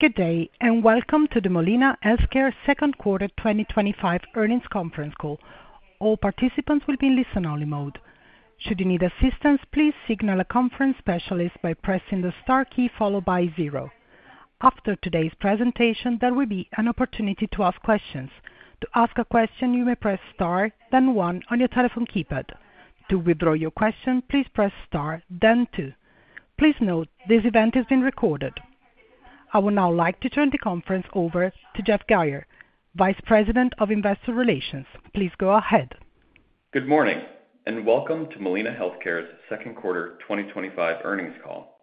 Good day, and welcome to the Molina Healthcare Second Quarter twenty twenty five Earnings Conference Call. All participants will be in listen only mode. After today's presentation, there will be an opportunity to ask questions. Please note this event is being recorded. I would now like to turn the conference over to Jeff Guyer, Vice President of Investor Relations. Please go ahead. Good morning and welcome to Molina Healthcare's second quarter twenty twenty five earnings call.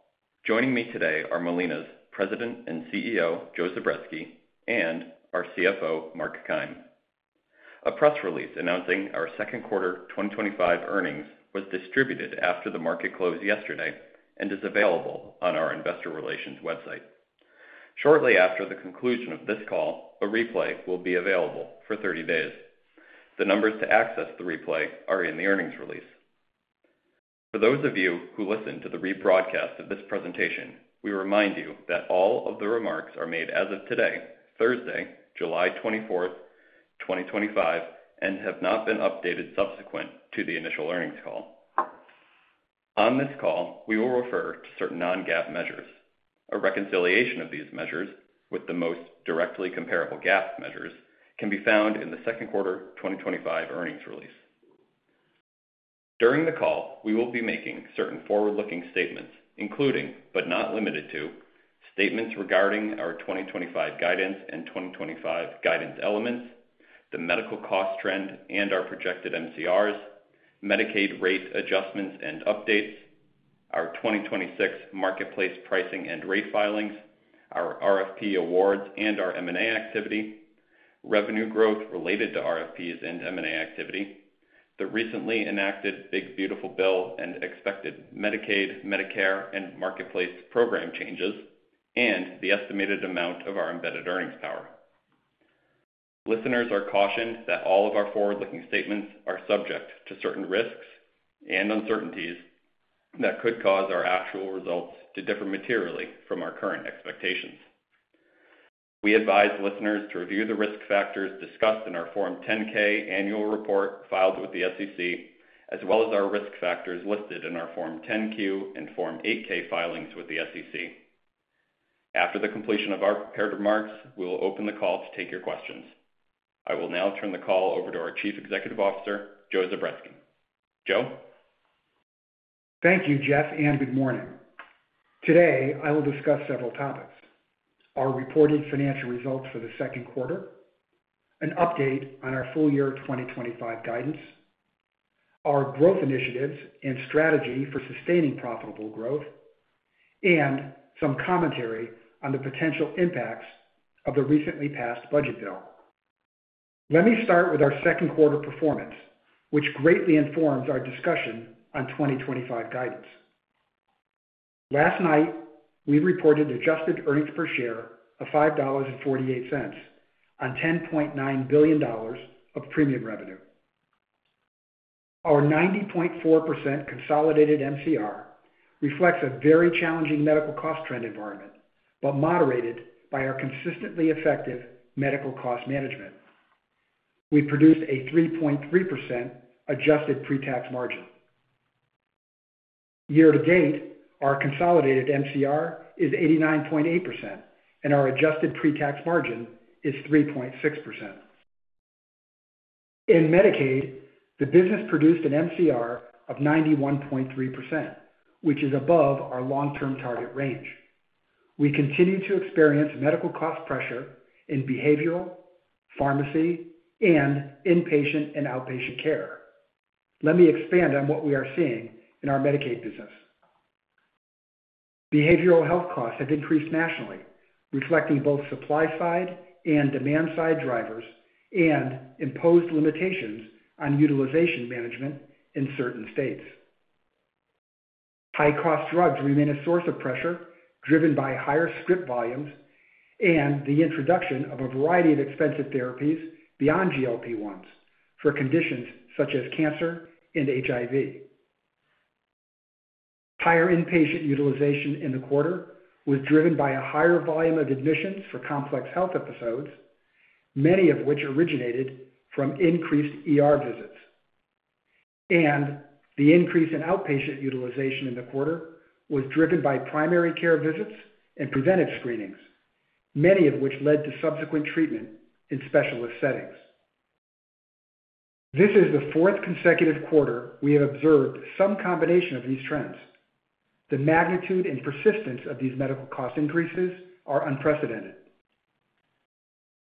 Joining me today are Molina's President and CEO, Joe Zabretsky and our CFO, Mark Keim. A press release announcing our second quarter twenty twenty five earnings was distributed after the market closed yesterday and is available on our Investor Relations website. Shortly after the conclusion of this call, a replay will be available for thirty days. The numbers to access the replay are in the earnings release. For those of you who listen to the rebroadcast of this presentation, we remind you that all of the remarks are made as of today, Thursday, 07/24/2025, and have not been updated subsequent to the initial earnings call. On this call, we will refer to certain non GAAP measures. A reconciliation of these measures with the most directly comparable GAAP measures can be found in the second quarter twenty twenty five earnings release. During the call, we will be making certain forward looking statements, including, but not limited to, statements regarding our 2025 guidance and 2025 guidance elements, the medical cost trend and our projected MCRs, Medicaid rate adjustments and updates our 2026 Marketplace pricing and rate filings our RFP awards and our M and A activity revenue growth related to RFPs and M and A activity the recently enacted Big Beautiful Bill and expected Medicaid, Medicare and Marketplace program changes and the estimated amount of our embedded earnings power. Listeners are cautioned that all of our forward looking statements are subject to certain risks and uncertainties that could cause our actual results to differ materially from our current expectations. We advise listeners to review the risk factors discussed in our Form 10 ks annual report filed with the SEC as well as our risk factors listed in our Form 10 Q and Form eight ks filings with the SEC. After the completion of our prepared remarks, we will open the call to take your questions. I will now turn the call over to our Chief Executive Officer, Joe Zabretsky. Joe? Thank you, Jeff, and good morning. Today, I will discuss several topics. Our reported financial results for the second quarter, an update on our full year 2025 guidance, our growth initiatives and strategy for sustaining profitable growth, and some commentary on the potential impacts of the recently passed budget bill. Let me start with our second quarter performance, which greatly informs our discussion on 2025 guidance. Last night, we reported adjusted earnings per share of $5.48 on $10,900,000,000 of premium revenue. Our 90.4% consolidated MCR reflects a very challenging medical cost trend environment, but moderated by our consistently effective medical cost management. We produced a 3.3% adjusted pre tax margin. Year to date, our consolidated MCR is 89.8%, and our adjusted pre tax margin is 3.6%. In Medicaid, the business produced an MCR of 91.3%, which is above our long term target range. We continue to experience medical cost pressure in behavioral, pharmacy, and inpatient and outpatient care. Let me expand on what we are seeing in our Medicaid business. Behavioral health costs have increased nationally, reflecting both supply side and demand side drivers, and imposed limitations on utilization management in certain states. High cost drugs remain a source of pressure, driven by higher script volumes, and the introduction of a variety of expensive therapies beyond GLP-1s for conditions such as cancer and HIV. Higher inpatient utilization in the quarter was driven by a higher volume of admissions for complex health episodes, many of which originated from increased ER visits. And the increase in outpatient utilization in the quarter was driven by primary care visits and preventive screenings, many of which led to subsequent treatment in specialist settings. This is the fourth consecutive quarter we have observed some combination of these trends. The magnitude and persistence of these medical cost increases are unprecedented.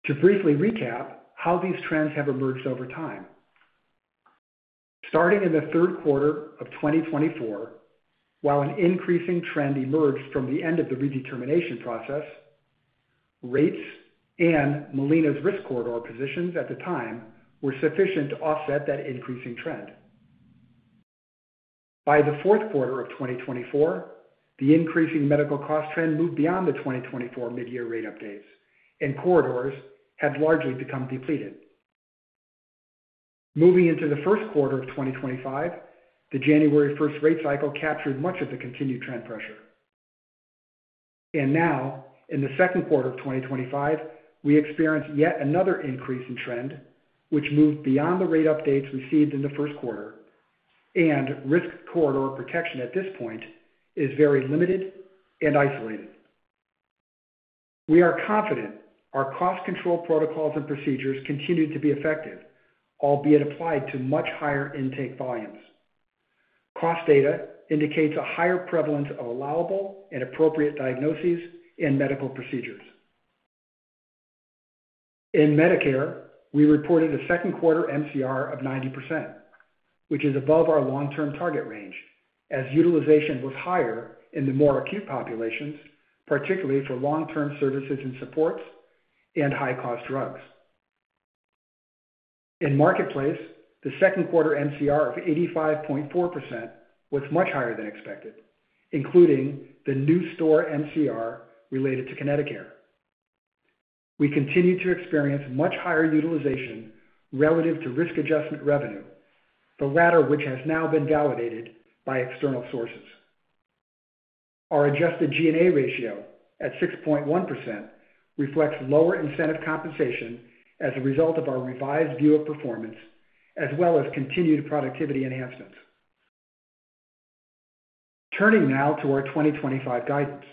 To briefly recap how these trends have emerged over time. Starting in the third quarter of twenty twenty four, while an increasing trend emerged from the end of the redetermination process, rates and Molina's risk corridor positions at the time were sufficient to offset that increasing trend. By the fourth quarter of twenty twenty four, the increasing medical cost trend moved beyond the 2024 midyear rate updates, and corridors had largely become depleted. Moving into the first quarter of twenty twenty five, the January first rate cycle captured much of the continued trend pressure. And now, in the second quarter of twenty twenty five, we experienced yet another increase in trend, which moved beyond the rate updates received in the first quarter, and risk corridor protection at this point is very limited and isolated. We are confident our cost control protocols and procedures continue to be effective, albeit applied to much higher intake volumes. Cost data indicates a higher prevalence of allowable and appropriate diagnoses and medical procedures. In Medicare, we reported a second quarter MCR of ninety percent, which is above our long term target range, as utilization was higher in the more acute populations, particularly for long term services and supports and high cost drugs. In marketplace, the second quarter NCR of 85.4% was much higher than expected, including the new store NCR related to Connecticut. We continue to experience much higher utilization relative to risk adjustment revenue, the latter which has now been validated by external sources. Our adjusted G and A ratio at 6.1% reflects lower incentive compensation as a result of our revised view of performance, as well as continued productivity enhancements. Turning now to our 2025 guidance.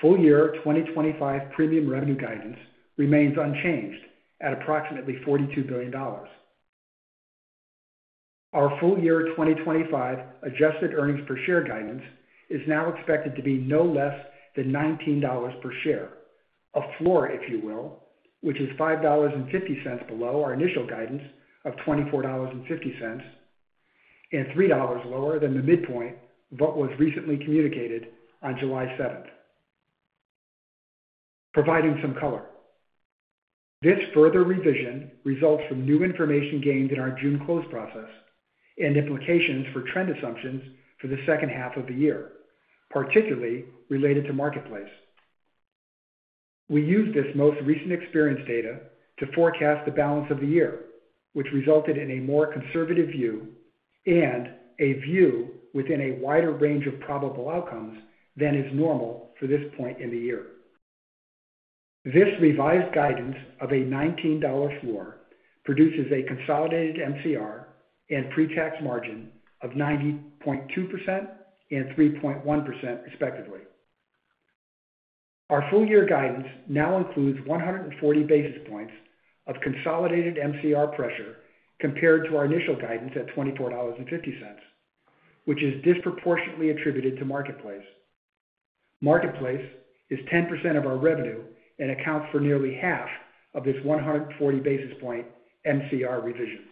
Full year 2025 premium revenue guidance remains unchanged at approximately $42,000,000,000 Our full year 2025 adjusted earnings per share guidance is now expected to be no less than $19 per share, a floor, if you will, which is $5.5 below our initial guidance of $24.5 and $3 lower than the midpoint of what was recently communicated on July 7. Providing some color. This further revision results from new information gained in our June close process and implications for trend assumptions for the second half of the year, particularly related to Marketplace. We used this most recent experience data to forecast the balance of the year, which resulted in a more conservative view and a view within a wider range of probable outcomes than is normal for this point in the year. This revised guidance of a $19 floor produces a consolidated MCR and pretax margin of 90.23.1%, respectively. Our full year guidance now includes 140 basis points of consolidated MCR pressure compared to our initial guidance at $24.5 which is disproportionately attributed to Marketplace. Marketplace is 10% of our revenue and accounts for nearly half of this 140 basis point MCR revision.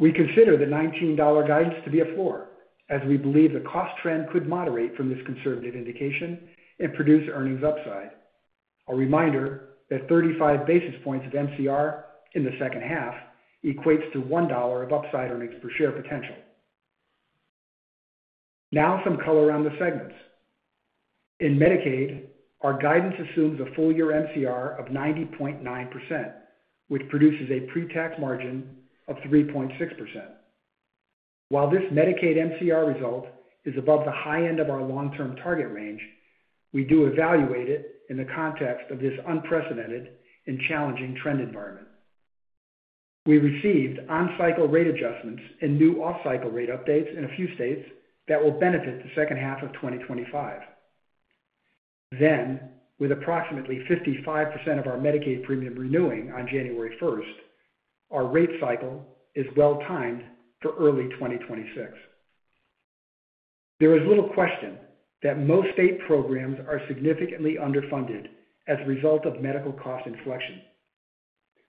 We consider the $19 guidance to be a floor, as we believe the cost trend could moderate from this conservative indication and produce earnings upside. A reminder that 35 basis points of MCR in the second half equates to $1 of upside earnings per share potential. Now some color on the segments. In Medicaid, our guidance assumes a full year MCR of 90.9%, which produces a pre tax margin of 3.6. While this Medicaid MCR result is above the high end of our long term target range, we do evaluate it in the context of this unprecedented and challenging trend environment. We received adjustments and new off cycle rate updates in a few states that will benefit the second half of twenty twenty five. Then, with approximately 55% of our Medicaid premium renewing on January 1, our rate cycle is well timed for early twenty twenty six. There is little question that most state programs are significantly underfunded as a result of medical cost inflection.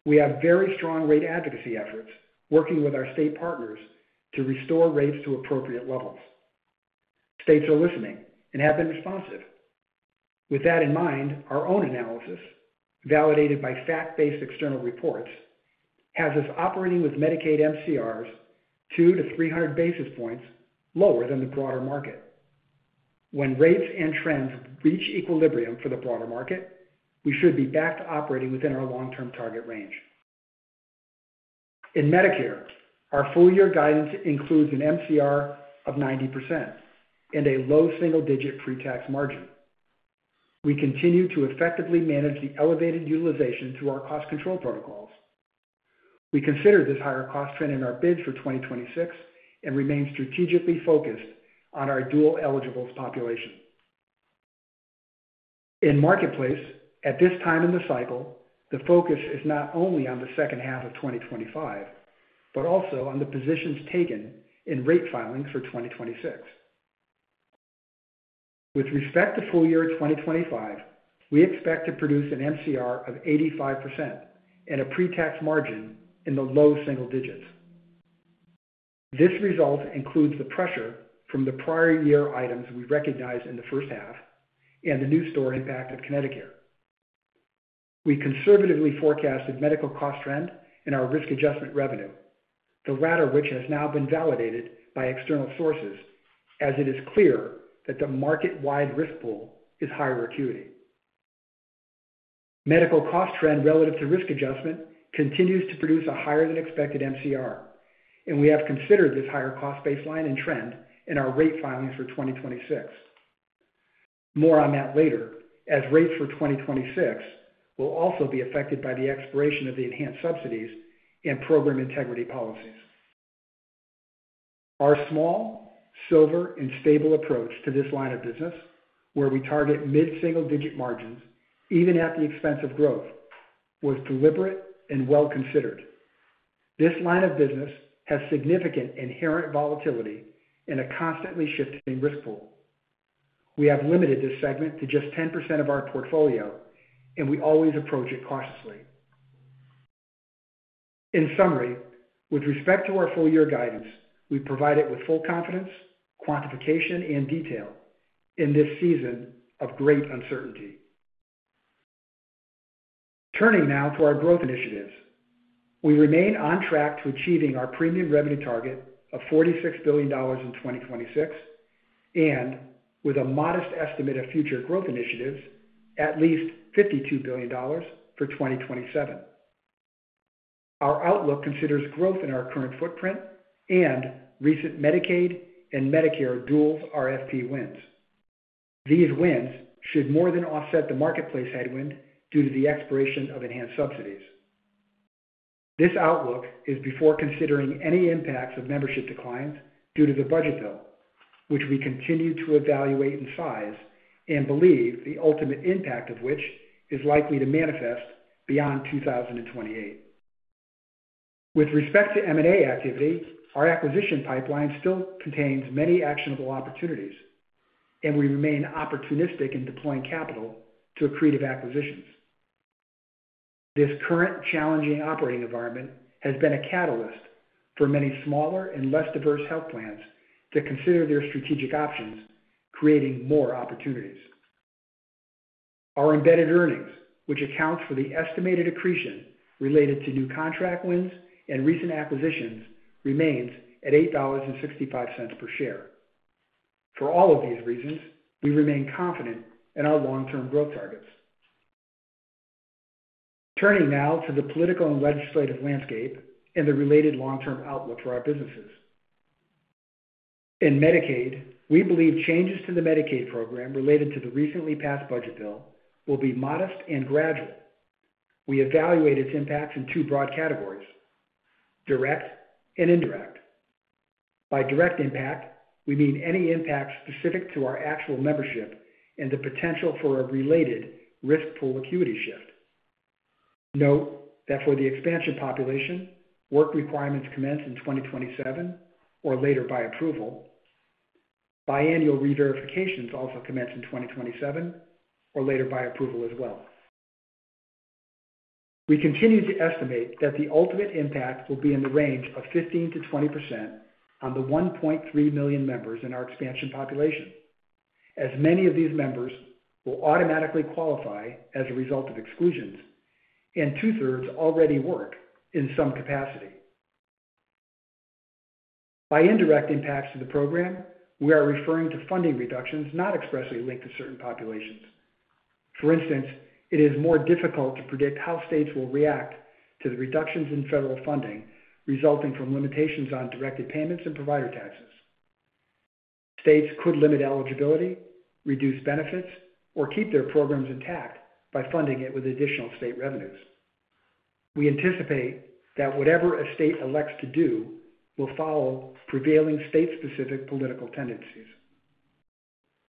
We have very strong rate advocacy efforts, working with our state partners to restore rates to appropriate levels. States are listening and have been responsive. With that in mind, our own analysis, validated by fact based external reports, has us operating with Medicaid MCRs 200 to 300 basis points lower than the broader market. When rates and trends reach equilibrium for the broader market, we should be back to operating within our long term target range. In Medicare, our full year guidance includes an MCR of 90% and a low single digit pre tax margin. We continue to effectively manage the elevated utilization through our cost control protocols. We consider this higher cost trend in our bids for 2026 and remain strategically focused on our dual eligibles population. In Marketplace, at this time in the cycle, the focus is not only on the second half of twenty twenty five, but also on the positions taken in rate filings for 2026. With respect to full year 2025, we expect to produce an MCR of 85% and a pre tax margin in the low single digits. This result includes the pressure from the prior year items we recognized in the first half and the new store impact of Connecticut. We conservatively forecasted medical cost trend in our risk adjustment revenue, the latter which has now been validated by external sources, as it is clear that the market wide risk pool is higher acuity. Medical cost trend relative to risk adjustment continues to produce a higher than expected MCR, and we have considered this higher cost baseline and trend in our rate filings for 2026. More on that later, as rates for 2026 will also be affected by the expiration of the enhanced subsidies and program integrity policies. Our small, silver and stable approach to this line of business, where we target mid single digit margins, even at the expense of growth, was deliberate and well considered. This line of business has significant inherent volatility in a constantly shifting risk pool. We have limited this segment to just 10% of our portfolio, and we always approach it cautiously. In summary, with respect to our full year guidance, we provide it with full confidence, quantification and detail in this season of great uncertainty. Turning now to our growth initiatives. We remain on track to achieving our premium revenue target of $46,000,000,000 in 2026, and with a modest estimate of future growth initiatives, at least $52,000,000,000 for 2027. Our outlook considers growth in our current footprint and recent Medicaid and Medicare dual RFP wins. These wins should more than offset the marketplace headwind due to the expiration of enhanced subsidies. This outlook is before considering any impacts of membership declines due to the budget bill, which we continue to evaluate in size and believe the ultimate impact of which is likely to manifest beyond 2028. With respect to M and A activity, our acquisition pipeline still contains many actionable opportunities, and we remain opportunistic in deploying capital to accretive acquisitions. This current challenging operating environment has been a catalyst for many smaller and less diverse health plans to consider their strategic options, creating more opportunities. Our embedded earnings, which accounts for the estimated accretion related to new contract wins and recent acquisitions, remains at $8.65 per share. For all of these reasons, we remain confident in our long term growth targets. Turning now to the political and legislative landscape and the related long term outlook for our businesses. In Medicaid, we believe changes to the Medicaid program related to the recently passed budget bill will be modest and gradual. We evaluate its impacts in two broad categories, direct and indirect. By direct impact, we mean any impact specific to our actual membership and the potential for a related risk pool acuity shift. Note that for the expansion population, work requirements commence in 2027 or later by approval. Biannual reverifications also commence in 2027 or later by approval as well. We continue to estimate that the ultimate impact will be in the range of 15% to 20% on the 1,300,000 members in our expansion population, as many of these members will automatically qualify as a result of exclusions, and two thirds already work in some capacity. By indirect impacts to the program, we are referring to funding reductions not expressly linked to certain populations. For instance, it is more difficult to predict how states will react to the reductions in federal funding resulting from limitations on directed payments and provider taxes. States could limit eligibility, reduce benefits, or keep their programs intact by funding it with additional state revenues. We anticipate that whatever a state elects to do will follow prevailing state specific political tendencies.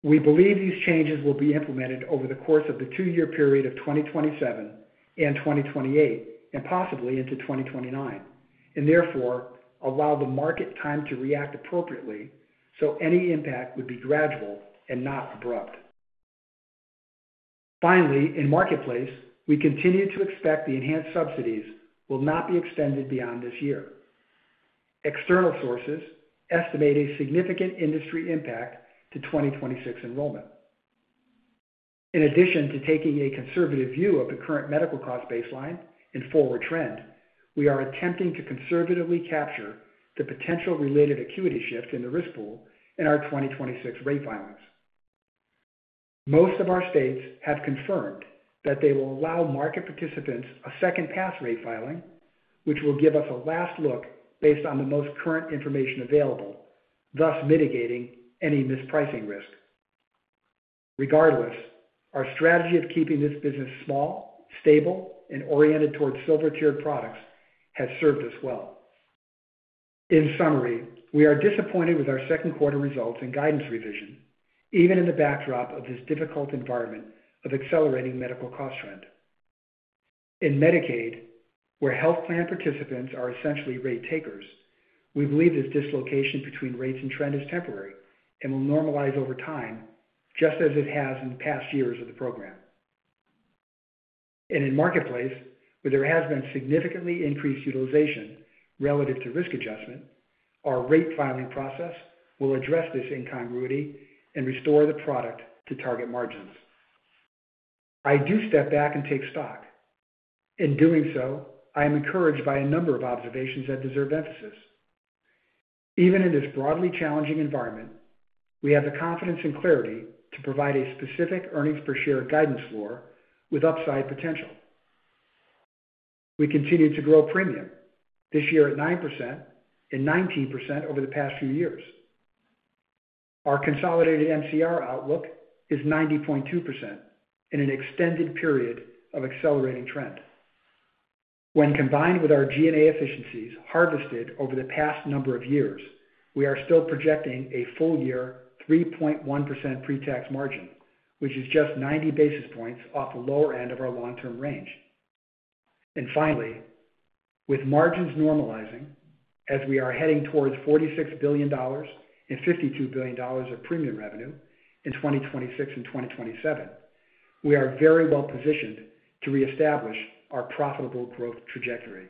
We believe these changes will be implemented over the course of the two year period of 2027 and 2028, and possibly into 2029, and therefore, allow the market time to react appropriately, so any impact would be gradual and not abrupt. Finally, in marketplace, we continue to expect the enhanced subsidies will not be extended beyond this year. External sources estimate a significant industry impact to 2026 enrollment. In addition to taking a conservative view of the current medical cost baseline and forward trend, we are attempting to conservatively capture the potential related acuity shift in the risk pool in our 2026 rate filings. Most of our states have confirmed that they will allow market participants a second pass rate filing, which will give us a last look based on the most current information available, thus mitigating any mispricing risk. Regardless, our strategy of keeping this business small, stable and oriented towards silver cured products has served us well. In summary, we are disappointed with our second quarter results and guidance revision, even in the backdrop of this difficult environment of accelerating medical cost trend. In Medicaid, where health plan participants are essentially rate takers, we believe this dislocation between rates and trend is temporary, and will normalize over time, just as it has in past years of the program. And in marketplace, where there has been significantly increased utilization relative to risk adjustment, our rate filing process will address this incongruity and restore the product to target margins. I do step back and take stock. In doing so, I am encouraged by a number of observations that deserve emphasis. Even in this broadly challenging environment, we have the confidence and clarity to provide a specific earnings per share guidance floor with upside potential. We continue to grow premium this year at 919% over the past few years. Our consolidated MCR outlook is 90.2% in an extended period of accelerating trend. When combined with our G and A efficiencies harvested over the past number of years, we are still projecting a full year 3.1% pretax margin, which is just 90 basis points off the lower end of our long term range. And finally, with margins normalizing, as we are heading towards $46,000,000,000 and $52,000,000,000 of premium revenue in 2026 and 2027, we are very well positioned to reestablish our profitable growth trajectory.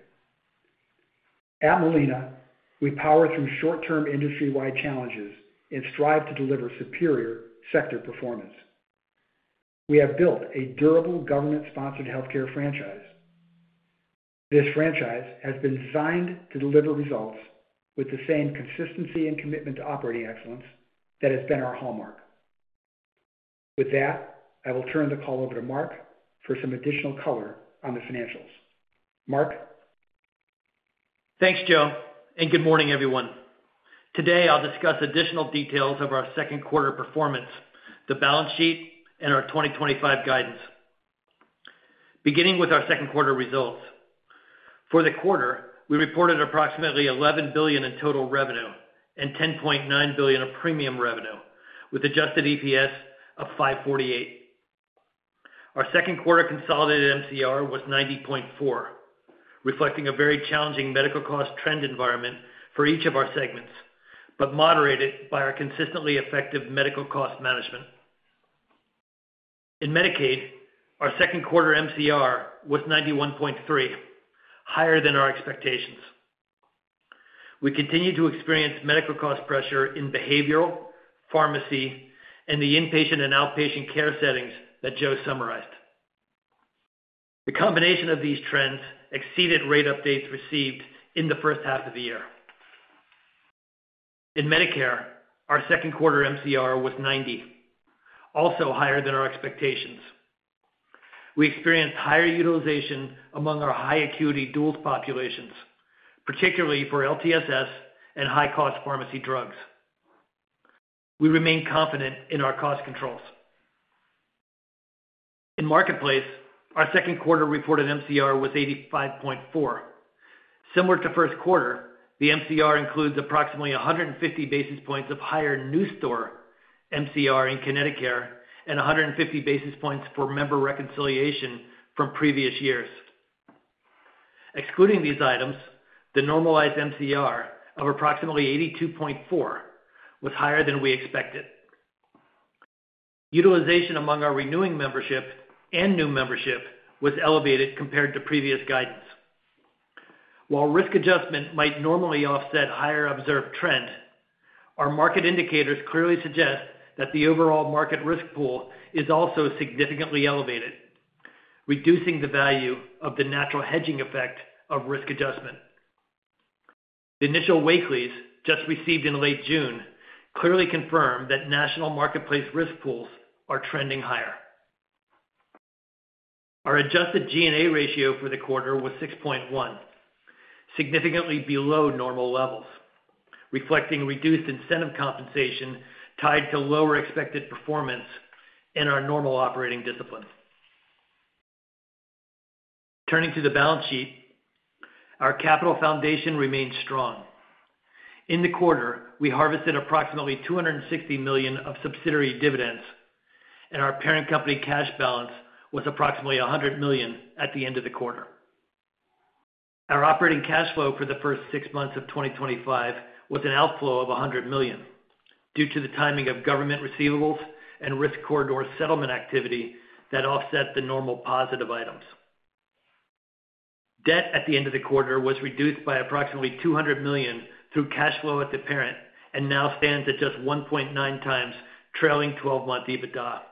At Molina, we power through short term industry wide challenges and strive to deliver superior sector performance. We have built a durable government sponsored healthcare franchise. This franchise has been designed to deliver results with the same consistency and commitment to operating excellence that has been our hallmark. With that, I will turn the call over to Mark for some additional color on the financials. Mark? Thanks, Joe, and good morning, everyone. Today, I'll discuss additional details of our second quarter performance, the balance sheet and our 2025 guidance. Beginning with our second quarter results. For the quarter, we reported approximately $11,000,000,000 in total revenue and $10,900,000,000 of premium revenue with adjusted EPS of $5.48 Our second quarter consolidated MCR was 90.4 reflecting a very challenging medical cost trend environment for each of our segments, but moderated by our consistently effective medical cost management. In Medicaid, our second quarter MCR was 91.3 higher than our expectations. We continue to experience medical cost pressure in behavioral, pharmacy and the inpatient and outpatient care settings that Joe summarized. The combination of these trends exceeded rate updates received in the first half of the year. In Medicare, our second quarter MCR was 90, also higher than our expectations. We experienced higher utilization among our high acuity dual populations, particularly for LTSS and high cost pharmacy drugs. We remain confident in our cost controls. In Marketplace, our second quarter reported MCR was 85.4%. Similar to first quarter, the MCR includes approximately 150 basis points of higher new store MCR in Connecticut and 150 basis points for member reconciliation from previous years. Excluding these items, the normalized MCR of approximately 82.4% was higher than we expected. Utilization among our renewing membership and new membership was elevated compared to previous guidance. While risk adjustment might normally offset higher observed trend, our market indicators clearly suggest that the overall market risk pool is also significantly elevated, reducing the value of the natural hedging effect of risk adjustment. Initial Wakeleys just received in late June clearly confirm that national marketplace risk pools are trending higher. Our adjusted G and A ratio for the quarter was 6.1, significantly below normal levels, reflecting reduced incentive compensation tied to lower expected performance in our normal operating discipline. Turning to the balance sheet. Our capital foundation remains strong. In the quarter, we harvested approximately $260,000,000 of subsidiary dividends and our parent company cash balance was approximately $100,000,000 at the end of the quarter. Our operating cash flow for the first six months of twenty twenty five was an outflow of $100,000,000 due to the timing of government receivables and risk corridor settlement activity that offset the normal positive items. Debt at the end of the quarter was reduced by approximately $200,000,000 through cash flow at the parent and now stands at just 1.9 times trailing twelve month EBITDA.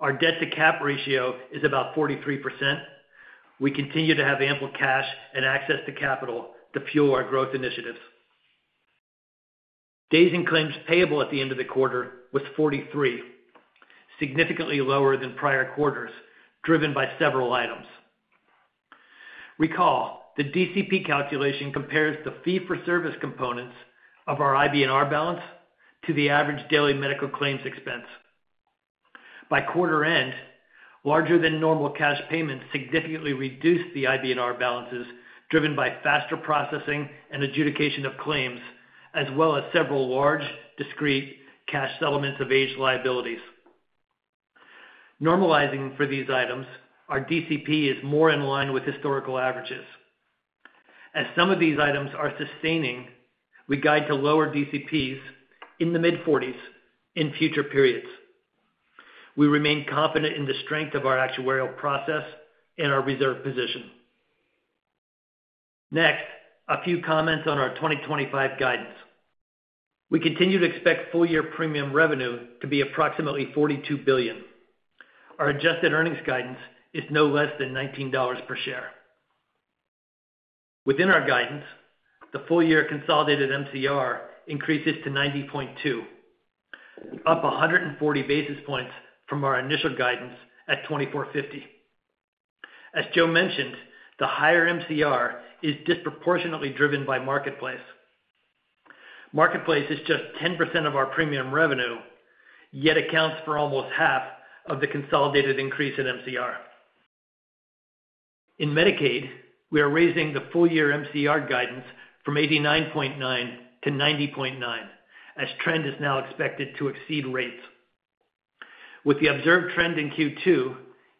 Our debt to cap ratio is about 43%. We continue to have ample cash and access to capital to fuel our growth initiatives. Days and claims payable at the end of the quarter was 43, significantly lower than prior quarters, driven by several items. Recall, the DCP calculation compares the fee for service components of our IBNR balance to the average daily medical claims expense. By quarter end, larger than normal cash payments significantly reduced the IBNR balances driven by faster processing and adjudication of claims as well as several large discrete cash settlements of age liabilities. Normalizing for these items, our DCP is more in line with historical averages. As some of these items are sustaining, we guide to lower DCPs in the mid-40s in future periods. We remain confident in the strength of our actuarial process and our reserve position. Next, a few comments on our 2025 guidance. We continue to expect full year premium revenue to be approximately $42,000,000,000 Our adjusted earnings guidance is no less than $19 per share. Within our guidance, the full year consolidated MCR increases to 90.2%, up 140 basis points from our initial guidance at twenty four point five As Joe mentioned, the higher MCR is disproportionately driven by Marketplace. Marketplace is just 10 of our premium revenue, yet accounts for almost half of the consolidated increase in MCR. In Medicaid, we are raising the full year MCR guidance from 89.9% to 90.9% as trend is now expected to exceed rates. With the observed trend in Q2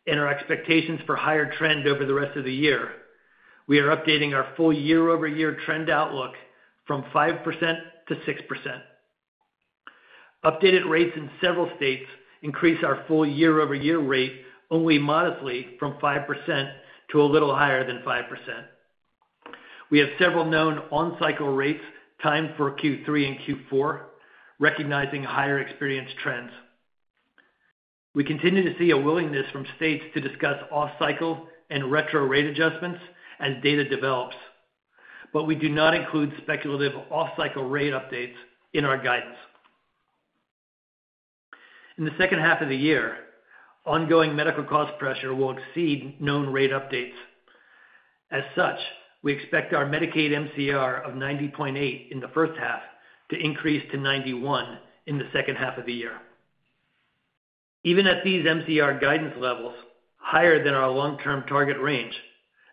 and our expectations for higher trend over the rest of the year, we are updating our full year over year trend outlook from 5% to 6%. Updated rates in several states increased our full year over year rate only modestly from 5% to a little higher than 5%. We have several known on cycle rates timed for Q3 and Q4, recognizing higher experience trends. We continue to see a willingness from states to discuss off cycle and retro rate adjustments as data develops, but we do not include speculative off cycle rate updates in our guidance. In the second half of the year, ongoing medical cost pressure will exceed known rate updates. As such, we expect our Medicaid MCR of 90.8% in the first half to increase to ninety one percent in the second half of the year. Even at these MCR guidance levels higher than our long term target range,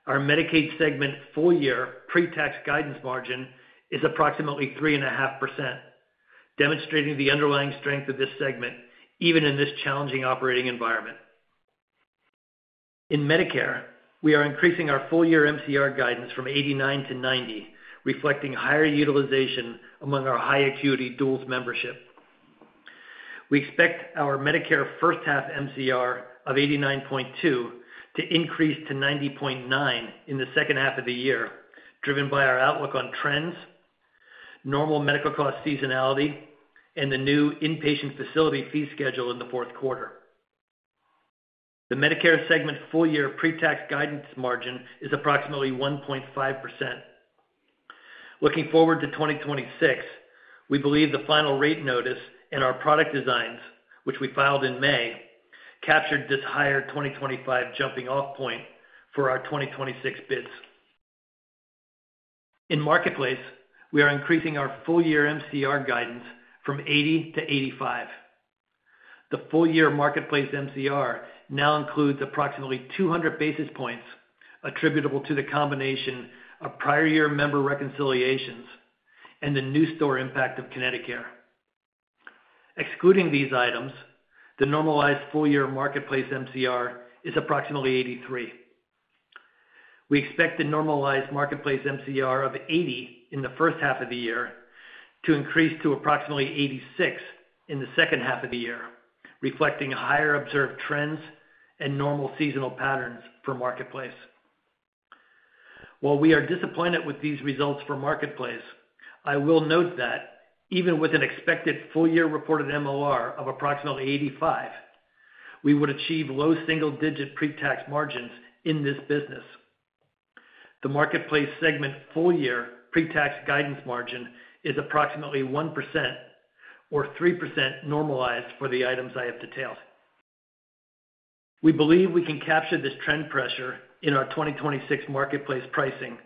our Medicaid segment full year pre tax guidance margin is approximately 3.5%, demonstrating the underlying strength of this segment even in this challenging operating environment. In Medicare, we are increasing our full year MCR guidance from 89 to 90, reflecting among our high acuity duals membership. We expect our Medicare first half MCR of 89.2 to increase to 90.9 in the second half of the year, driven by our outlook on trends, normal medical cost seasonality and the new inpatient facility fee schedule in the fourth quarter. The Medicare segment full year pre tax guidance margin is approximately 1.5%. Looking forward to 2026, we believe the final rate notice and our product designs, which we filed in May captured this higher 2025 jumping off point for our 2026 bids. In marketplace, we are increasing our full year MCR guidance from 80 to 85. The full year marketplace MCR now includes approximately 200 basis points attributable to the combination of prior year member reconciliations and the new store impact of Connecticut. Excluding these items, the normalized full year Marketplace MCR is approximately 83. We expect the normalized Marketplace MCR of 80 in the first half of the year to increase to approximately 86 in the second half of the year, reflecting higher observed trends and normal seasonal patterns for Marketplace. While we are disappointed with these results for Marketplace, I will note that even with an expected full year reported MLR of approximately 85%, we would achieve low single digit pretax margins in this business. The Marketplace segment full year pretax guidance margin is approximately 1% or 3% normalized for the items I have detailed. We believe we can capture this trend pressure in our 2026 marketplace pricing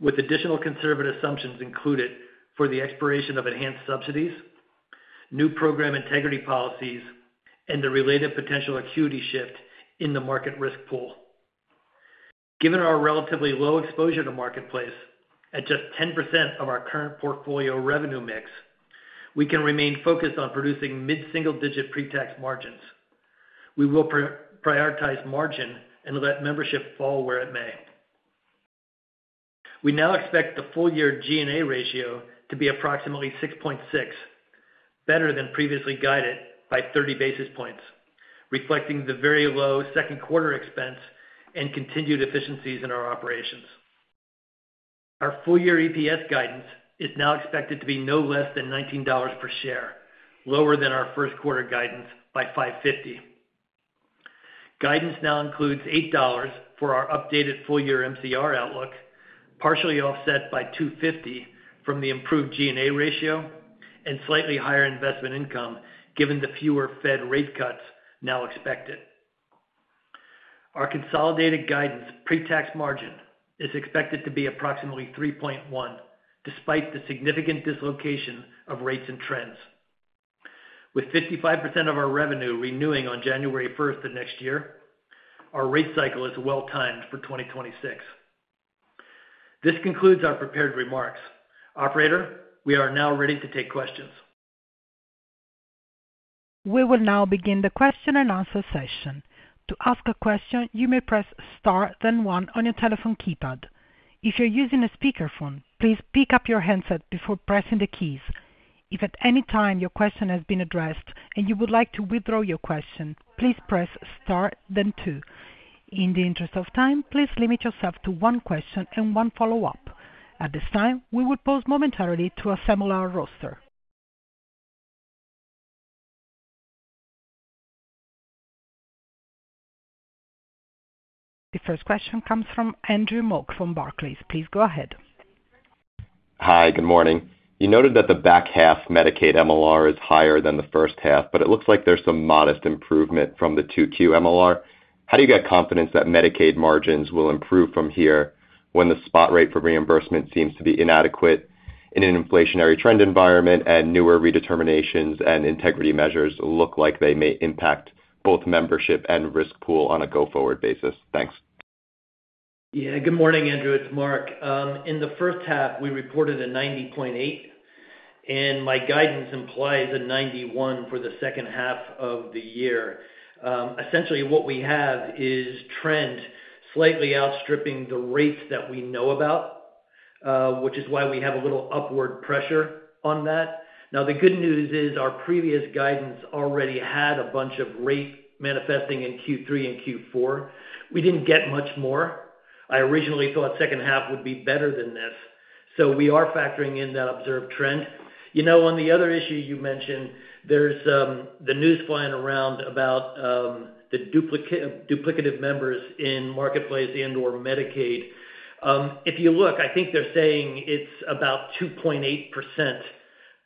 with additional conservative assumptions included for the expiration of enhanced subsidies, new program integrity policies and the related potential acuity shift in the market risk pool. Given our relatively low exposure to marketplace at just 10% of our current portfolio revenue mix, we can remain focused on producing mid single digit pretax margins. We will prioritize margin and let membership fall where it may. We now expect the full year G and A ratio to be approximately 6.6, better than previously guided by 30 basis points, reflecting the very low second quarter expense and continued efficiencies in our operations. Our full year EPS guidance is now expected to be no less than $19 per share, lower than our first quarter guidance by 5.5 Guidance now includes $8 for our updated full year MCR outlook, partially offset by two fifty from the improved G and A ratio and slightly higher investment income given the fewer Fed rate cuts now expected. Our consolidated guidance pre tax margin is expected to be approximately 3.1% despite the significant dislocation of rates and trends. With 55% of our revenue renewing on January 1, our rate cycle is well timed for 2026. This concludes our prepared remarks. Operator, we are now ready to take questions. The first question comes from Andrew Mok from Barclays. Please go ahead. Hi, good morning. You noted that the back half Medicaid MLR is higher than the first half, but it looks like there's some modest improvement from the 2Q MLR. How do you get confidence that Medicaid margins will improve from here when the spot rate for reimbursement seems to be inadequate in an inflationary trend environment and newer redeterminations and integrity measures look like they may impact both membership and risk pool on a go forward basis? Thanks. Yes. Good morning, Andrew. It's Mark. In the first half, we reported a 90.8 and my guidance implies a 91 for the second half of the year. Essentially, what we have is trend slightly outstripping the rates that we know about, which is why we have a little upward pressure on that. Now the good news is our previous guidance already had a bunch of rate manifesting in Q3 and Q4. We didn't get much more. I originally thought second half would be better than this. So we are factoring in that observed trend. On the other issue you mentioned, there's the news flying around about the duplicative members in marketplace and or Medicaid. If you look, I think they're saying it's about 2.8%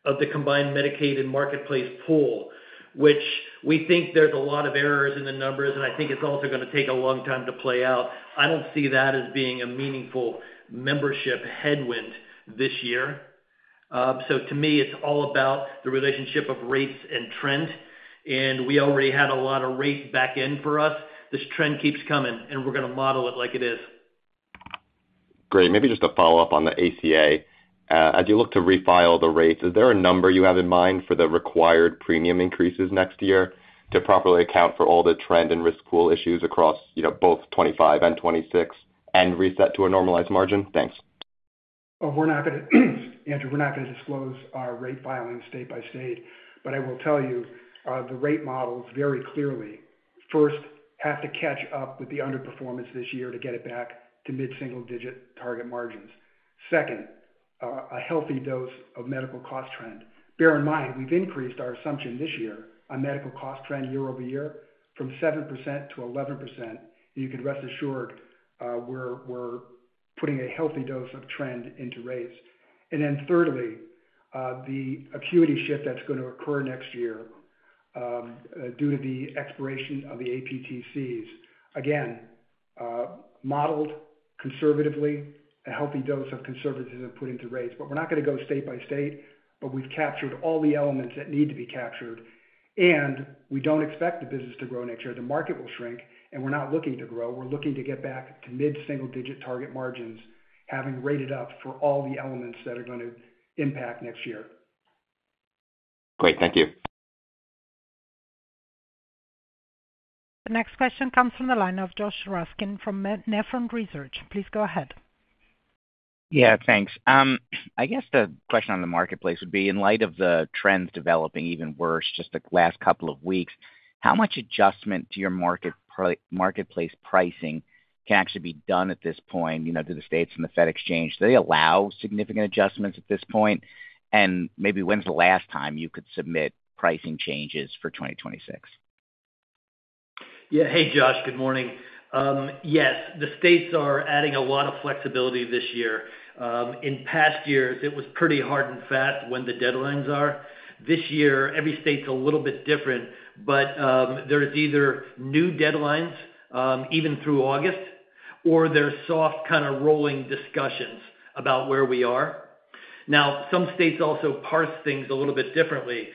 of the combined Medicaid and marketplace pool, which we think there's a lot of errors in the numbers. And I think it's also going to take a long time to play out. I don't see that as being a meaningful membership headwind this year. So to me, it's all about the relationship of rates and trends. And we already had a lot of rates back in for us. This trend keeps coming and we're going to model it like it is. Great. Maybe just a follow-up on the ACA. As you look to refile the rates, is there a number you have in mind for the required premium increases next year to properly account for all the trend and risk pool issues across both '25 and '26 and reset to a normalized margin? Thanks. Andrew, we're not going to disclose our rate filings state by state. But I will tell you, the rate models very clearly, first, have to catch up with the underperformance this year to get it back to mid single digit target margins. Second, a healthy dose of medical cost trend. Bear in mind, we've increased our assumption this year on medical cost trend year over year from seven percent to eleven percent, and you can rest assured we're putting a healthy dose of trend into rates. And then thirdly, the acuity shift that's going to occur next year due to the expiration of the APTCs. Again, modeled conservatively, a healthy dose of conservatism put into rates. But we're not going go state by state, but we've captured all the elements that need to be captured. And we don't expect the business to grow next year. The market will shrink, and we're not looking to grow. We're looking to get back to mid single digit target margins, having rated up for all the elements that are going to impact next year. Great. Thank you. The next question comes from the line of Josh Raskin from Nephron Research. Please go ahead. Yes, thanks. I guess the question on the marketplace would be in light of the trends developing even worse just the last couple of weeks, how much adjustment to your marketplace pricing can actually be done at this point to the states and the Fed exchange? Do they allow significant adjustments at this point? And maybe when's the last time you could submit pricing changes for 2026? Yes. Hey, Josh, good morning. Yes, the states are adding a lot of flexibility this year. In past years, it was pretty hard and fast when the deadlines are. This year, every state is a little bit different. But there's either new deadlines, even through August, or there's soft kind of rolling discussions about where we are. Now some states also parse things a little bit differently.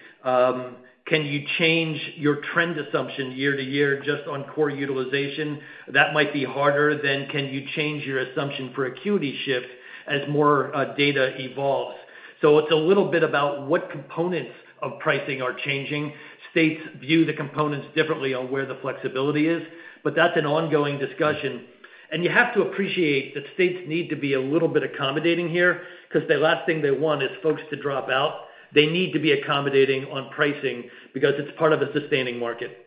Can you change your trend assumption year to year just on core utilization? That might be harder than can you change your assumption for acuity shift as more data evolves. So it's a little bit about what components of pricing are changing. States view the components differently on where the flexibility is, but that's an ongoing discussion. And you have to appreciate that states need to be a little bit accommodating here, because the last thing they want is folks to drop out. They need to be accommodating on pricing because it's part of a sustaining market.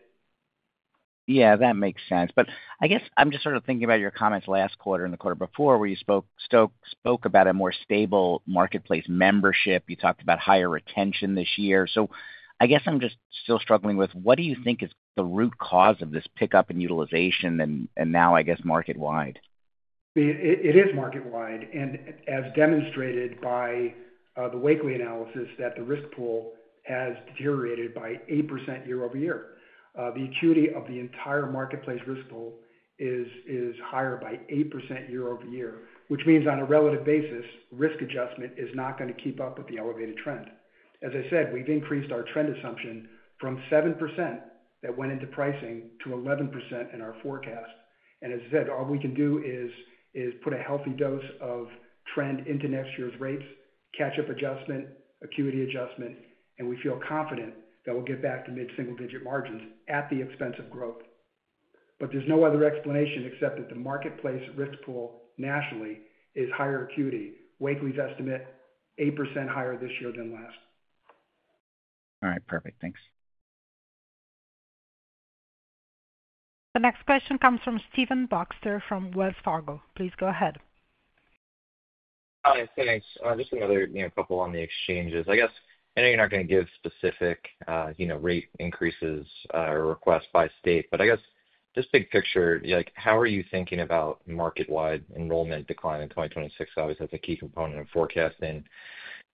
Yes, that makes sense. But I guess I'm just sort of thinking about your comments last quarter and the quarter before where you about a more stable marketplace membership. You talked about higher retention this year. So I guess I'm just still struggling with what do you think is the root cause of this pickup in utilization and now, I guess, market wide? It is market wide. And as demonstrated by the Wakeley analysis that the risk pool has deteriorated by 8% year over year. The acuity of the entire marketplace risk pool is higher by 8% year over year, which means on a relative basis, risk adjustment is not going to keep up with the elevated trend. As I said, we've increased our trend assumption from 7% that went into pricing to 11% in our forecast. And as I said, all we can do is put a healthy dose of trend into next year's rates, catch up adjustment, acuity adjustment, and we feel confident that we'll get back to mid single digit margins at the expense of growth. But there's no other explanation except that the marketplace risk pool nationally is higher acuity. Wakeley's estimate, 8% higher this year than last. All right. Perfect. Thanks. The next question comes from Steven Baxter from Wells Fargo. Please go ahead. Hi. Thanks. Just another couple on the exchanges. I guess, I know you're not going to give specific rate increases or requests by state, but I guess just big picture, like how are you thinking about market wide enrollment decline in 2026? Obviously, that's a key component of forecasting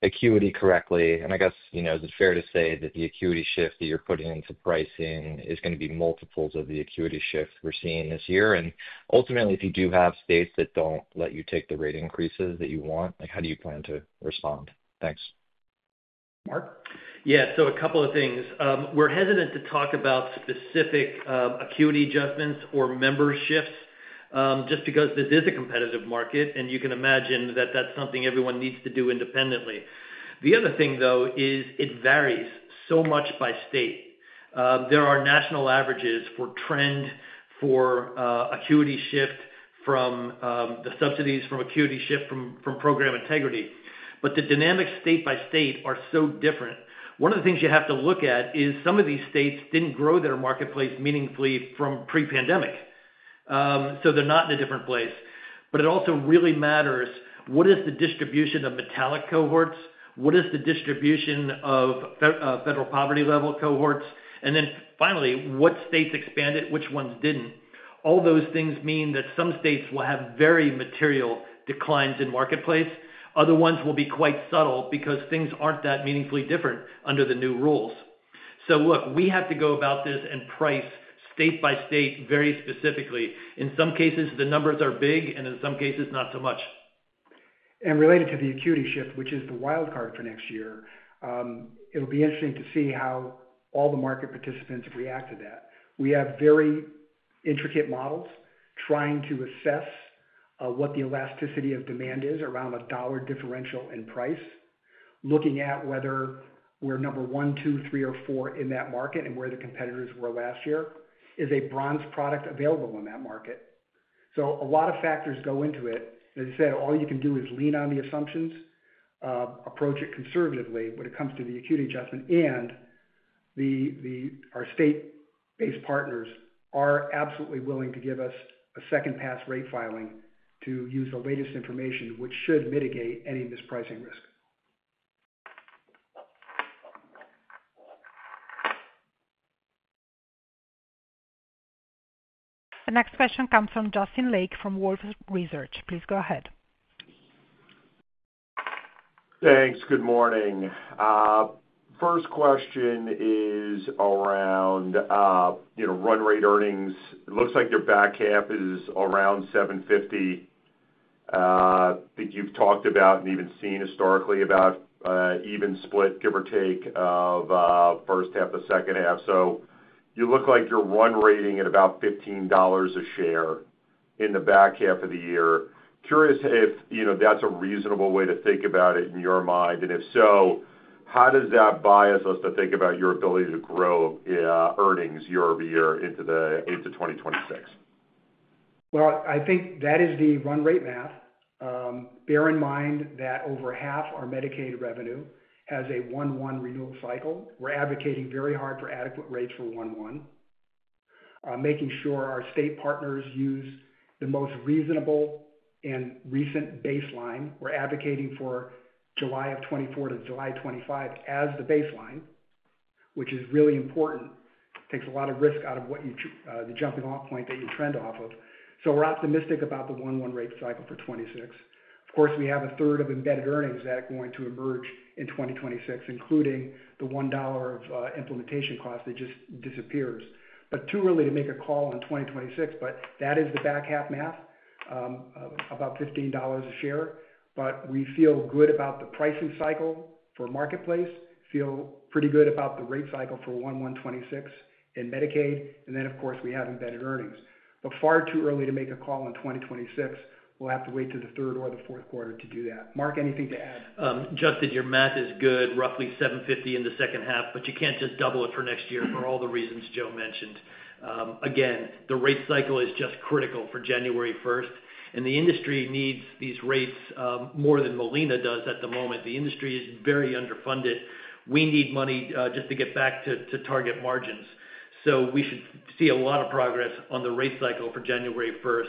acuity correctly. And I guess, is it fair to say that the acuity shift that you're putting into pricing is going to be multiples of the acuity shifts we're seeing this year? And ultimately, if you do have states that don't let you take the rate increases that you want, like how do you plan to respond? Thanks. Mark? Yes. So a couple of things. We're hesitant to talk about specific acuity adjustments or memberships just because this is a competitive market. And you can imagine that that's something everyone needs to do independently. The other thing though, is it varies so much by state. There are national averages for trend for acuity shift from the subsidies from acuity shift from program integrity. But the dynamic state by state are so different. One of the things you have to look at is some of these states didn't grow their marketplace meaningfully from pre pandemic. So they're not in a different place. But it also really matters what is the distribution of metallic cohorts? What is the distribution of federal poverty level cohorts and then finally what states expanded, which ones didn't. All those things mean that some states will have very material declines in marketplace, Other ones will be quite subtle because things aren't that meaningfully different under the new rules. So look, we have to go about this and price state by state very specifically. In some cases, the numbers are big and in some cases not so much. And related to the acuity shift, which is the wildcard for next year, it'll be interesting to see how all the market participants react to that. We have very intricate models trying to assess what the elasticity of demand is around a dollar differential in price, looking at whether we're number one, two, three, or four in that market and where the competitors were last year, is a bronze product available in that market. So a lot of factors go into it. As I said, all you can do is lean on the assumptions, approach it conservatively when it comes to the acuity adjustment, and the the our state based partners are absolutely willing to give us a second pass rate filing to use the latest information, which should mitigate any of this pricing risk. The next question comes from Justin Lake from Wolfe Research. Please go ahead. Thanks. Good morning. First question is around run rate earnings. It looks like your back half is around $7.50. I think you've talked about and even seen historically about even split, give or take, of first half or second half. So you look like you're one rating at about $15 a share in the back half of the year. Curious if that's a reasonable way to think about it in your mind. And if so, how does that bias us to think about your ability to grow earnings year over year into 2026? Well, I think that is the run rate math. Bear in mind that over half our Medicaid revenue has a oneone renewal cycle. We're advocating very hard for adequate rates for oneone, Making sure our state partners use the most reasonable and recent baseline. We're advocating for July '24 to July 25 as the baseline, which is really important. Takes a lot of risk out of what you the jumping off point that you trend off of. So we're optimistic about the one one rate cycle for '26. Of course, we have a third of embedded earnings that are going to emerge in 2026, including the $1 of implementation cost that just disappears. But too early to make a call in 2026, but that is the back half math, about $15 a share. But we feel good about the pricing cycle for marketplace, feel pretty good about the rate cycle for 01/01/1926 in Medicaid. And then, of course, we have embedded earnings. But far too early to make a call in 2026, we'll have to wait to the third or the fourth quarter to do that. Mark, anything to add? Justin, your math is good, roughly $7.50 in the second half, but you can't just double it for next year for all the reasons Joe mentioned. Again, the rate cycle is just critical for January 1, the industry needs these rates more than Molina does at the moment. The industry is very underfunded. We need money just to get back to target margins. So we should see a lot of progress on the rate cycle for January 1.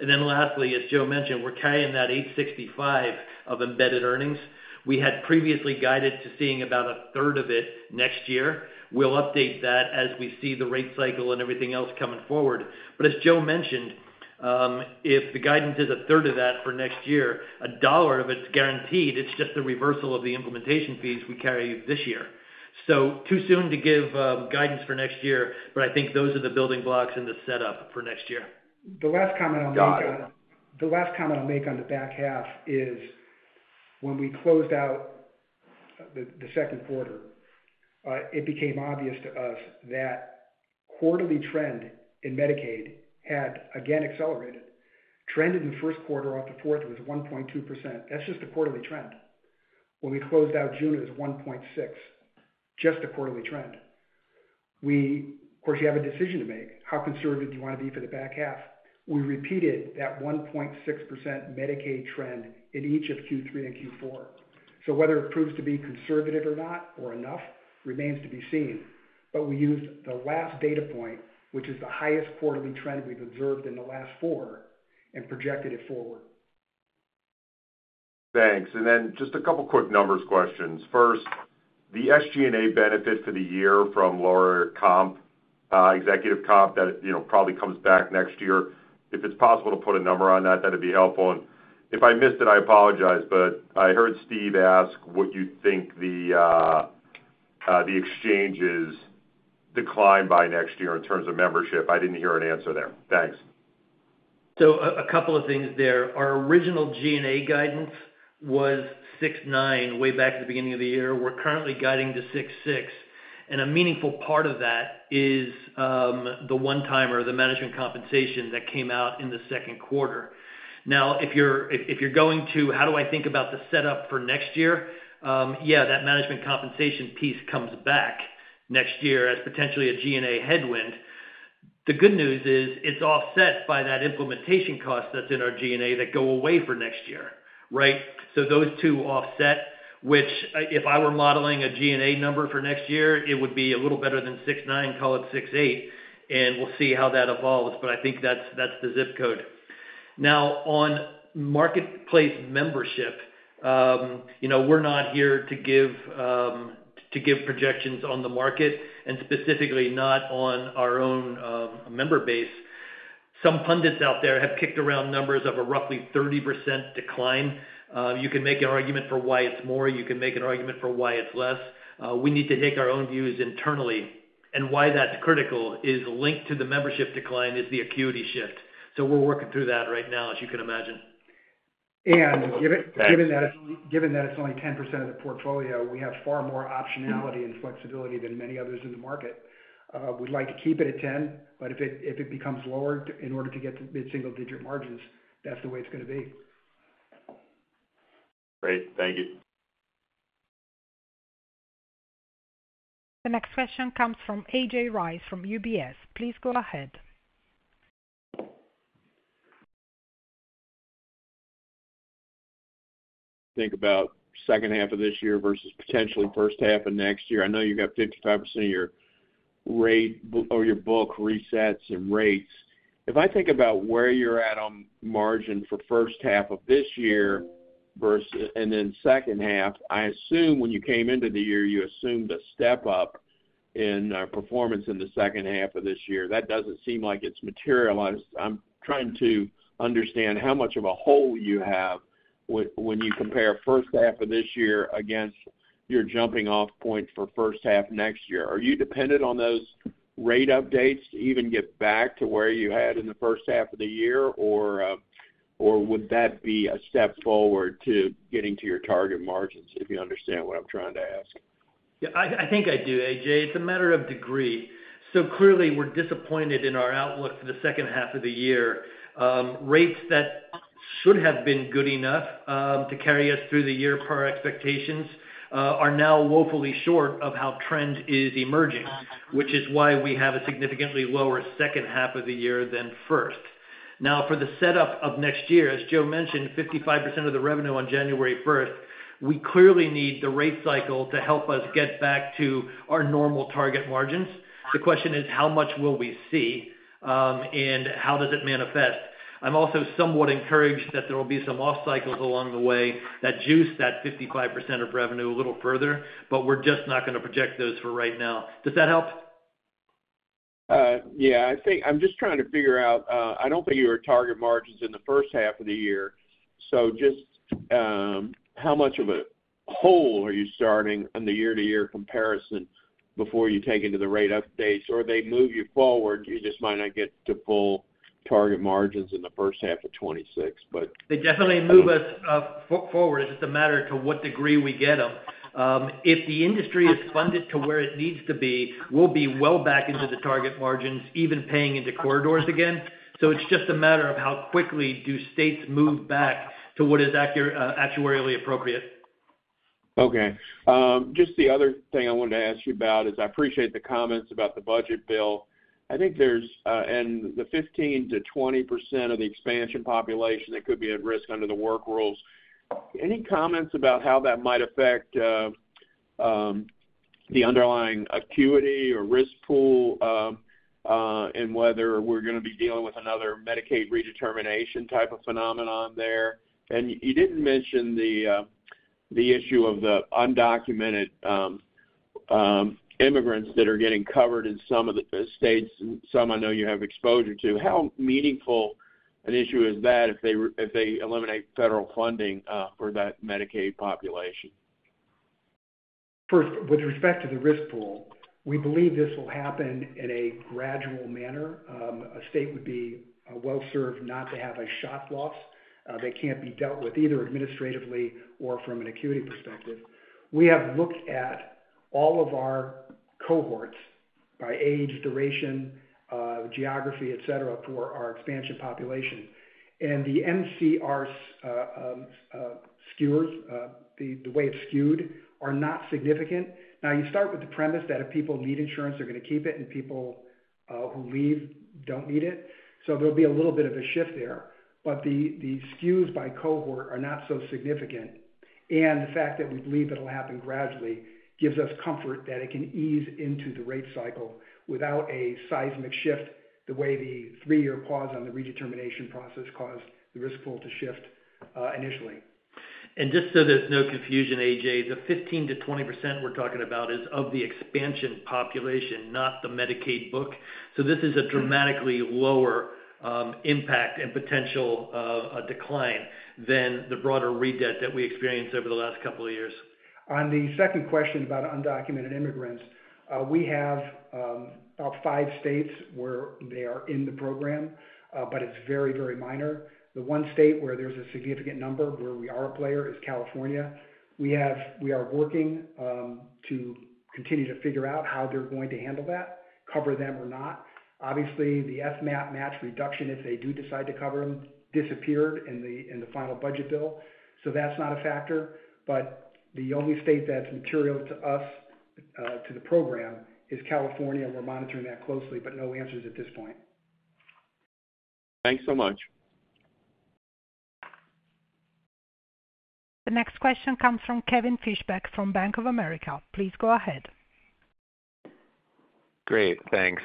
And then lastly, as Joe mentioned, we're carrying that $865,000,000 of embedded earnings. We had previously guided to seeing about a third of it next year. We'll update that as we see the rate cycle and everything else coming forward. But as Joe mentioned, if the guidance is a third of that for next year, a dollar of its guaranteed, it's just the reversal of the implementation fees we carry this year. So too soon to give guidance for next year, but I think those are the building blocks in the setup for next year. Last comment make the back half is when we closed out the second quarter, it became obvious to us that quarterly trend in Medicaid had again accelerated. Trending in first quarter off the fourth was 1.2%. That's just a quarterly trend. When we closed out June, it was 1.6%, just a quarterly trend. Of course, you have a decision to make, how conservative do you want to be for the back half? We repeated that 1.6% Medicaid trend in each of Q3 and Q4. So whether it proves to be conservative or not, or enough remains to be seen, but we used the last data point, which is the highest quarterly trend we've observed in the last four and projected it forward. Thanks. And then just a couple of quick numbers questions. First, the SG and A benefit for the year from lower comp, executive comp that probably comes back next year. If it's possible to put a number on that, that'd be helpful. If I missed it, I apologize, but I heard Steve ask what you think the exchanges decline by next year in terms of membership. I didn't hear an answer there. Thanks. So a couple of things there. Our original G and A guidance was 6.9% way back to the beginning of the year. We're currently guiding to 6.6% and a meaningful part of that is the one time or the management compensation that came second quarter. Now if you're going to how do I think about the setup for next year, yes, that management compensation piece comes back next year as potentially a G and A headwind. The good news is it's offset by that implementation cost that's in our G and A that go away for next year, right? So those two offset, which if I were modeling a G and A number for next year, it would be a little better than 6.9%, call it 6.8 and we'll see how that evolves. I think that's the zip code. Now on marketplace membership, we're not here to give projections on the market and specifically not on our own member base. Some pundits out there have kicked around numbers of a roughly 30% decline. You can make an argument for why it's more, you can make an argument for why it's less. We need to take our own views internally. And why that's critical is linked to the membership decline is the acuity shift. So we're working through that right now, as you can imagine. And given that it's only 10% of the portfolio, we have far more optionality and flexibility than many others in the market. We'd like to keep it at 10%, but if it becomes lower in order to get to mid single digit margins, that's the way it's going to be. Great. Thank you. The next question comes from A. J. Rice from UBS. Please go ahead. Think about second half of this year versus potentially first half of next year. I know you got 55% of your rate or your book resets and rates. If I think about where you're at on margin for first half of this year versus and then second half, assume when you came into the year, you assumed a step up in performance in the second half of this year. That doesn't seem like it's materialized. I'm trying to understand how much of a hole you have when you compare first half of this year against your jumping off point for first half next year. Are you dependent on those rate updates to even get back to where you had in the first half of the year? Or would that be a step forward to getting to your target margins, if you understand what I'm trying to ask? Yes, I think I do, AJ. It's a matter of degree. So clearly, we're disappointed in our outlook for the second half of the year. Rates that should have been good enough to carry us through the year per expectations are now woefully short of how trend is emerging, which is why we have a significantly lower second half of the year than first. Now for the setup of next year, as Joe mentioned, 55% of the revenue on January 1, we clearly need the rate cycle to help us get back to our normal target margins. The question is how much will we see and how does it manifest? I'm also somewhat encouraged that there will be some off cycles along the way that juice that 55% of revenue a little further, but we're just not going to project those for right now. Does that help? Yes. I think I'm just trying to figure out I don't think you were target margins in the first half of the year. So just how much of a hole are you starting on the year to year comparison before you take into the rate updates? Or they move you forward, you just might not get to full target margins in the first half of twenty six, but They definitely move us forward. It's a matter to what degree we get them. If the industry is funded to where it needs to be, we'll be well back into the target margins even paying into corridors again. So it's just a matter of how quickly do states move back to what is actuarially appropriate. Okay. Just the other thing I wanted to ask you about is I appreciate the comments about the budget bill. I think there's, and the 15 to 20% of the expansion population that could be at risk under the work rules. Any comments about how that might affect, the underlying acuity or risk pool and whether we're gonna be dealing with another Medicaid redetermination type of phenomenon there. And you didn't mention the the issue of the undocumented immigrants that are getting covered in some of the states, and some I know you have exposure to. How meaningful an issue is that if they eliminate federal funding for that Medicaid population? First, with respect to the risk pool, we believe this will happen in a gradual manner. A state would be well served not to have a shot loss. They can't be dealt with either administratively or from an acuity perspective. We have looked at all of our cohorts by age, duration, geography, etcetera, for our expansion population, and the MCR skewers, the the way it's skewed, are not significant. Now you start with the premise that if people need insurance, they're gonna keep it, and people, who leave don't need it. So there'll be a little bit of a shift there, but the the skews by cohort are not so significant. And the fact that we believe it will happen gradually gives us comfort that it can ease into the rate cycle without a seismic shift, the way the three year pause on the redetermination process caused the risk pool to shift initially. And just so there's no confusion, A. J, the 15% to 20% we're talking about is of the expansion population, not the Medicaid book. So this is a dramatically lower impact and potential decline than the broader redebt that we experienced over the last couple of years. On the second question about undocumented immigrants, we have about five states where they are in the program, but it's very, very minor. The one state where there's a significant number where we are a player is California. We have we are working, to continue to figure out how they're going to handle that, cover them or not. Obviously, the FMAP match reduction, if they do decide to cover them, disappeared in the in the final budget bill. So that's not a factor. But the only state that's material to us, to the program is California. We're monitoring that closely, but no answers at this point. Thanks so much. The next question comes from Kevin Fischbeck from Bank of America. Please go ahead. Great, thanks.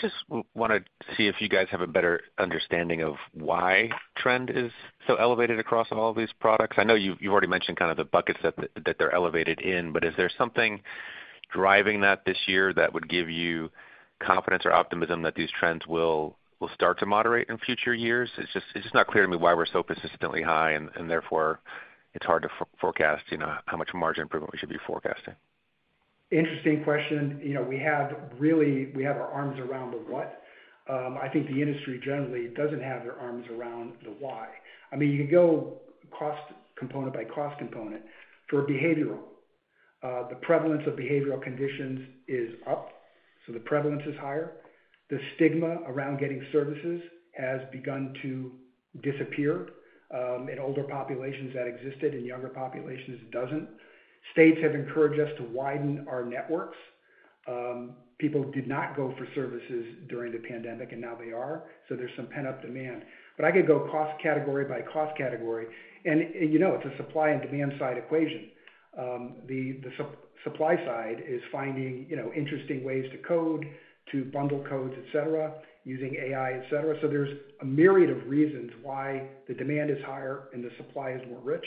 Just wanted to see if you guys have a better understanding of why trend is so elevated across all of these products. I know you've already mentioned kind of the buckets that they're elevated in, but is there something driving that this year that would give you confidence or optimism that these trends will start to moderate in future years? It's just not clear to me why we're so persistently high and therefore it's hard to forecast how much margin improvement we should be forecasting. Interesting question. You know, we have really we have our arms around the what. I think the industry generally doesn't have their arms around the why. I mean, you go cost component by cost component for behavioral. The prevalence of behavioral conditions is up, so the prevalence is higher. The stigma around getting services has begun to disappear in older populations that existed and younger populations doesn't. States have encouraged us to widen our networks. People did not go for services during the pandemic, and now they are. So there's some pent up demand, but I could go cost category by cost category. And, you know, it's a supply and demand side equation. The supply side is finding interesting ways to code, to bundle codes, etcetera, using AI, etcetera. So there's a myriad of reasons why the demand is higher and the supply is more rich.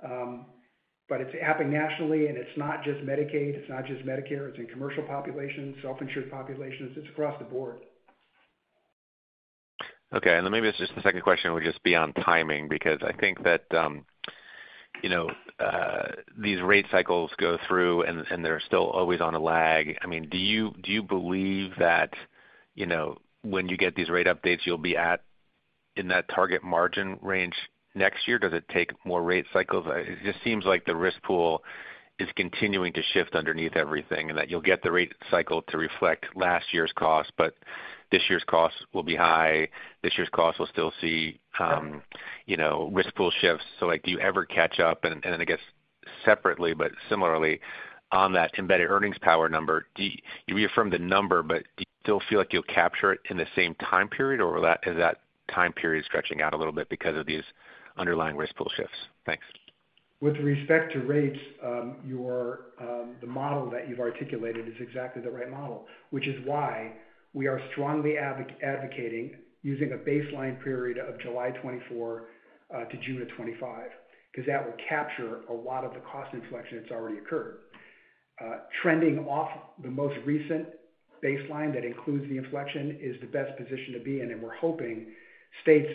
But it's happening nationally and it's not just Medicaid, it's not just Medicare, it's in commercial populations, self insured populations, it's across the board. Okay, and then maybe it's just the second question would just be on timing because I think that, you know, these rate cycles go through and they're still always on a lag. I mean, do you believe that, you know, when you get these rate updates, you'll be at in that target margin range next year? Does it take more rate cycles? It just seems like the risk pool is continuing to shift underneath everything and that you'll get the rate cycle to reflect last year's cost, but this year's cost will be high, this year's cost will still see risk pool shifts. So like do you ever catch up? Then I guess separately, but similarly on that embedded earnings power number, do you reaffirm the number, but do you still feel like you'll capture it in the same time period? Or is that time period stretching out a little bit because of these underlying risk pool shifts? Thanks. With respect to rates, the model that you've articulated is exactly the right model, which is why we are strongly advocating using a baseline period of July 24 to June 25, because that will capture a lot of the cost inflection that's already occurred. Trending off the most recent baseline that includes inflection is the best position to be in, and we're hoping states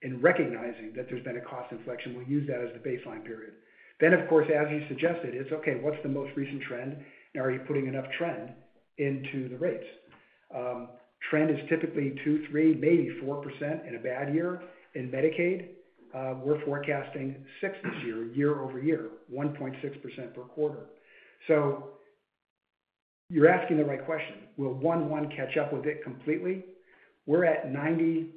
in recognizing that there's been a cost inflection, we'll use that as the baseline period. Then, of course, as you suggested, it's okay, what's the most recent trend? Now, are you putting enough trend into the rates? Trend is typically two, three, maybe 4% in a bad year. In Medicaid, we're forecasting six this year, year over year, 1.6% per quarter. So you're asking the right question. Will one one catch up with it completely? We're at 90,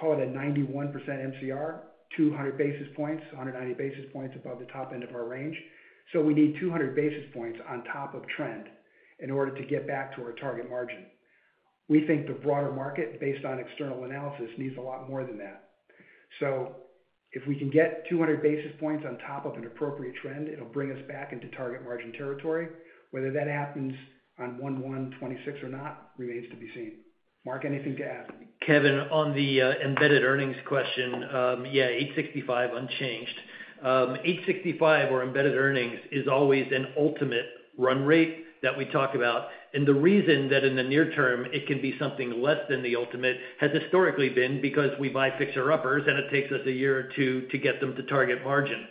call it a 91% MCR, 200 basis points, 190 basis points above the top end of our range. So we need 200 basis points on top of trend in order to get back to our target margin. We think the broader market based on external analysis needs a lot more than that. So if we can get 200 basis points on top of an appropriate trend, it will bring us back into target margin territory. Whether that happens on oneonetwenty six or not remains to be seen. Mark, anything to add? Kevin, on the embedded earnings question, yes, $865,000,000 unchanged. Dollars $865,000,000 or embedded earnings is always an ultimate run rate that we talk about. And the reason that in the near term, it can be something less than the ultimate has historically been because we buy fixer uppers and it takes us a year or two to get them to target margin.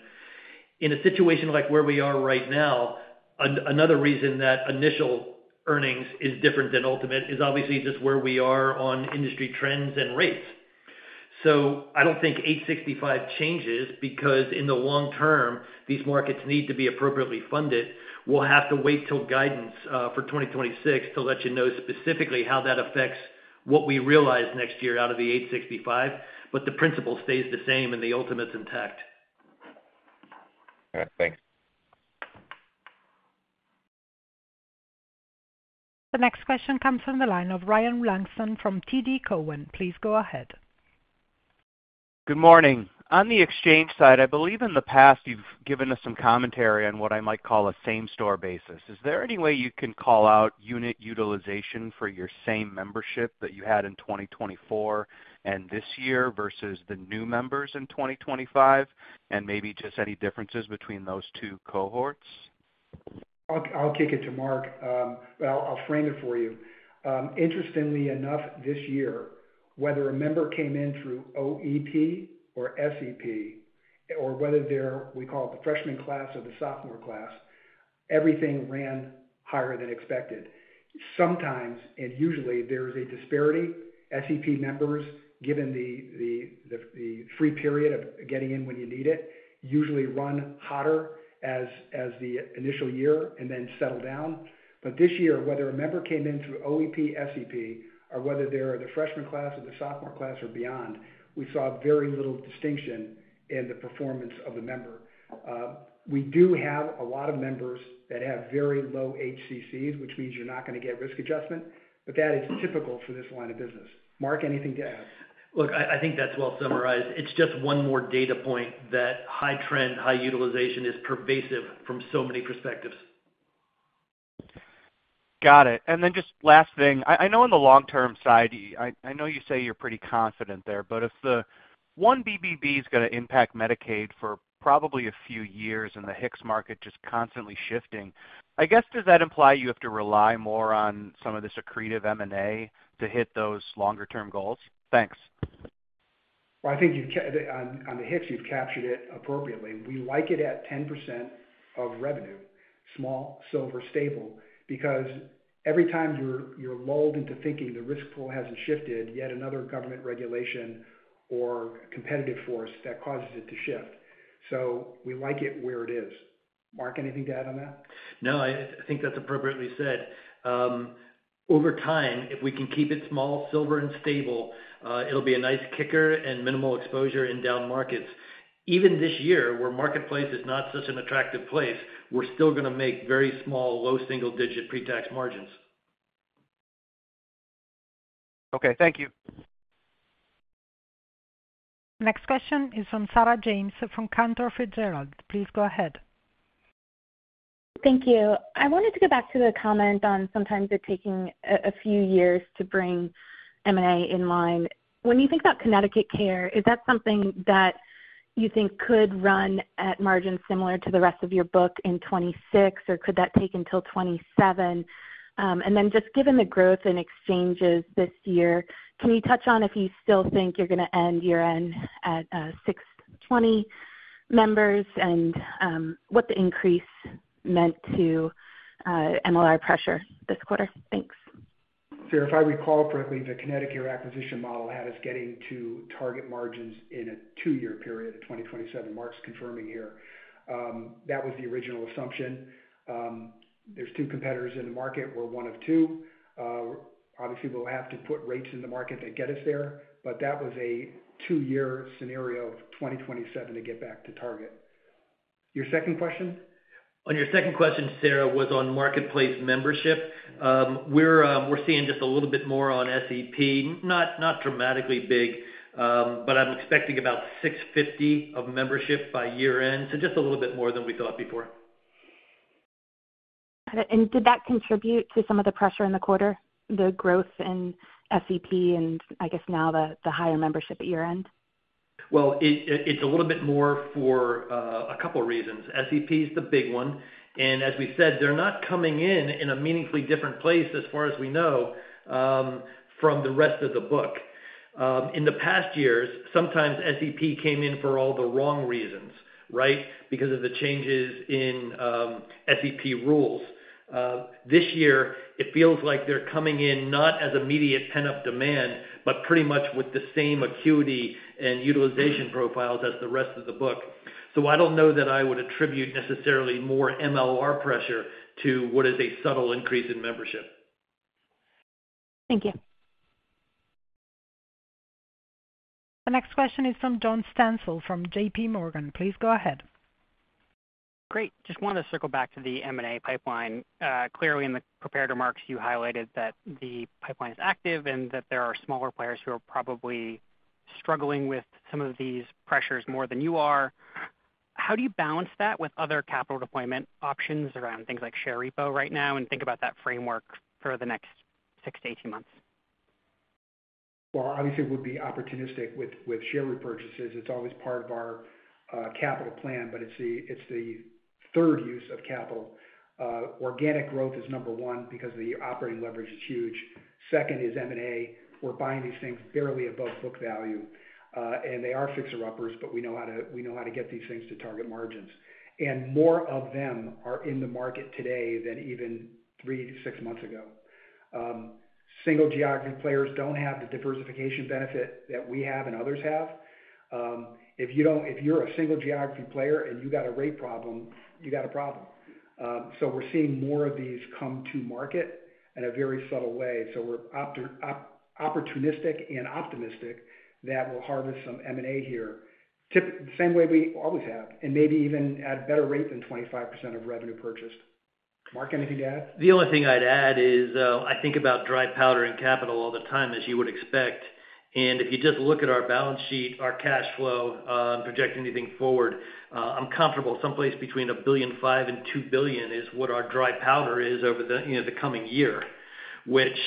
In a situation like where we are right now, another reason that initial earnings is different than ultimate is obviously just where we are on industry trends and rates. So I don't think eight sixty five changes because in the long term, these markets need to be appropriately funded. We'll have to wait till guidance for 2026 to let you know specifically how that affects what we realize next year out of the eight sixty five million But the principle stays the same and the ultimate is intact. All right. Thanks. The next question comes from the line of Ryan Langston from TD Cowen. Please go ahead. Good morning. On the exchange side, I believe in the past you've given us some commentary on what I might call a same store basis. Is there any way you can call out unit utilization for your same membership that you had in 2024 and this year versus the new members in 2025 and maybe just any differences between those two cohorts? I'll kick it to Mark. Well, I'll frame it for you. Interestingly enough this year, whether a member came in through OEP or SEP, or whether they're, we call it the freshman class or the sophomore class, everything ran higher than expected. Sometimes, and usually there's a disparity, SEP members, given free period of getting in when you need it, usually run hotter as the initial year and then settle down. But this year, whether a member came in through OEP SEP, whether or they're the freshman class or the sophomore class or beyond, we saw very little distinction in the performance of the member. We do have a lot of members that have very low HCCs, which means you're not going to get risk adjustment, But that is typical for this line of business. Mark, anything to add? Look, I think that's well summarized. It's just one more data point that high trend, high utilization is pervasive from so many perspectives. Got it. And then just last thing, I know on the long term side, I know you say you're pretty confident there, but if the one BBB is going to impact Medicaid for probably a few years and the Hicks market just constantly shifting. I guess does that imply you have to rely more on some of this accretive M and A to hit those longer term goals? Thanks. Well, think on the Hicks you've captured it appropriately. We like it at 10% of revenue, small, silver, stable, because every time you're lulled into thinking the risk pool hasn't shifted, yet another government regulation or competitive force that causes it to shift. So we like it where it is. Mark, anything to add on that? No, I think that's appropriately said. Over time, if we can keep it small, silver and stable, it'll be a nice kicker and minimal exposure in down markets. Even this year, where marketplace is not such an attractive place, we're still going to make very small low single digit pretax margins. Okay. Thank you. Next question is from Sarah James from Cantor Fitzgerald. Please go ahead. Thank you. I wanted to go back to the comment on sometimes it taking a few years to bring M and A in line. When you think about Connecticut Care, is that something that you think could run at margins similar to the rest of your book in 2026? Or could that take until 2027? And then just given the growth in exchanges this year, can you touch on if you still think you're going to end year end at six twenty members? And what the increase meant to MLR pressure this quarter? Thanks. So if I recall correctly, the Connecticut acquisition model had us getting to target margins in a two year period, 2027 marks confirming here. That was the original assumption. There's two competitors in the market. We're one of two. Obviously, we'll have to put rates in the market that get us there. But that was a two year scenario of 2027 to get back to target. Your second question? On your second question, Sarah, was on Marketplace membership. We're seeing just a little bit more on SEP, not dramatically big, but I'm expecting about six fifty of membership by year end. So just a little bit more than we thought before. And did that contribute to some of the pressure in the quarter, the growth in SEP and I guess now the higher membership at year end? Well, it's a little bit more for a couple of reasons. SEP is the big one. And as we said, they're not coming in, in a meaningfully different place as far as we know from the rest of the book. In the past years, sometimes SEP came in for all the wrong reasons, right? Because of the changes in SEP rules. This year, it feels like they're coming in not as immediate pent up demand, but pretty much with the same acuity and utilization profiles as the rest of the book. So I don't know that I would attribute necessarily more MLR pressure to what is a subtle increase in membership. Thank you. The next question is from John Stansell from JPMorgan. Please go ahead. Great. Just want to circle back to the M and A pipeline. Clearly, the prepared remarks, you highlighted that the pipeline is active and that there are smaller players who are probably struggling with some of these pressures more than you are. How do you balance that with other capital deployment options around things like share repo right now and think about that framework for the next six to eighteen months? Well, obviously, we'd be opportunistic with share repurchases. It's always part of our capital plan, but it's the third use of capital. Organic growth is number one, because the operating leverage is huge. Second is M and A. We're buying these things fairly above book value. And they are fixer uppers, but we know how to get these things to target margins. And more of them are in the market today than even three to six months ago. Single geography players don't have the diversification benefit that we have and others have. If you're a single geography player and you got a rate problem, you got a problem. So we're seeing more of these come to market in a very subtle way. So we're opportunistic and optimistic that we'll harvest some M and A here, the same way we always have and maybe even at better rate than 25% of revenue purchased. Mark, anything to add? The only thing I'd add is, I think about dry powder and capital all the time as you would expect. And if you just look at our balance sheet, our cash flow, project anything forward, I'm comfortable someplace between $1,000,000,000 and $2,000,000,000 is what our dry powder is over the coming year, which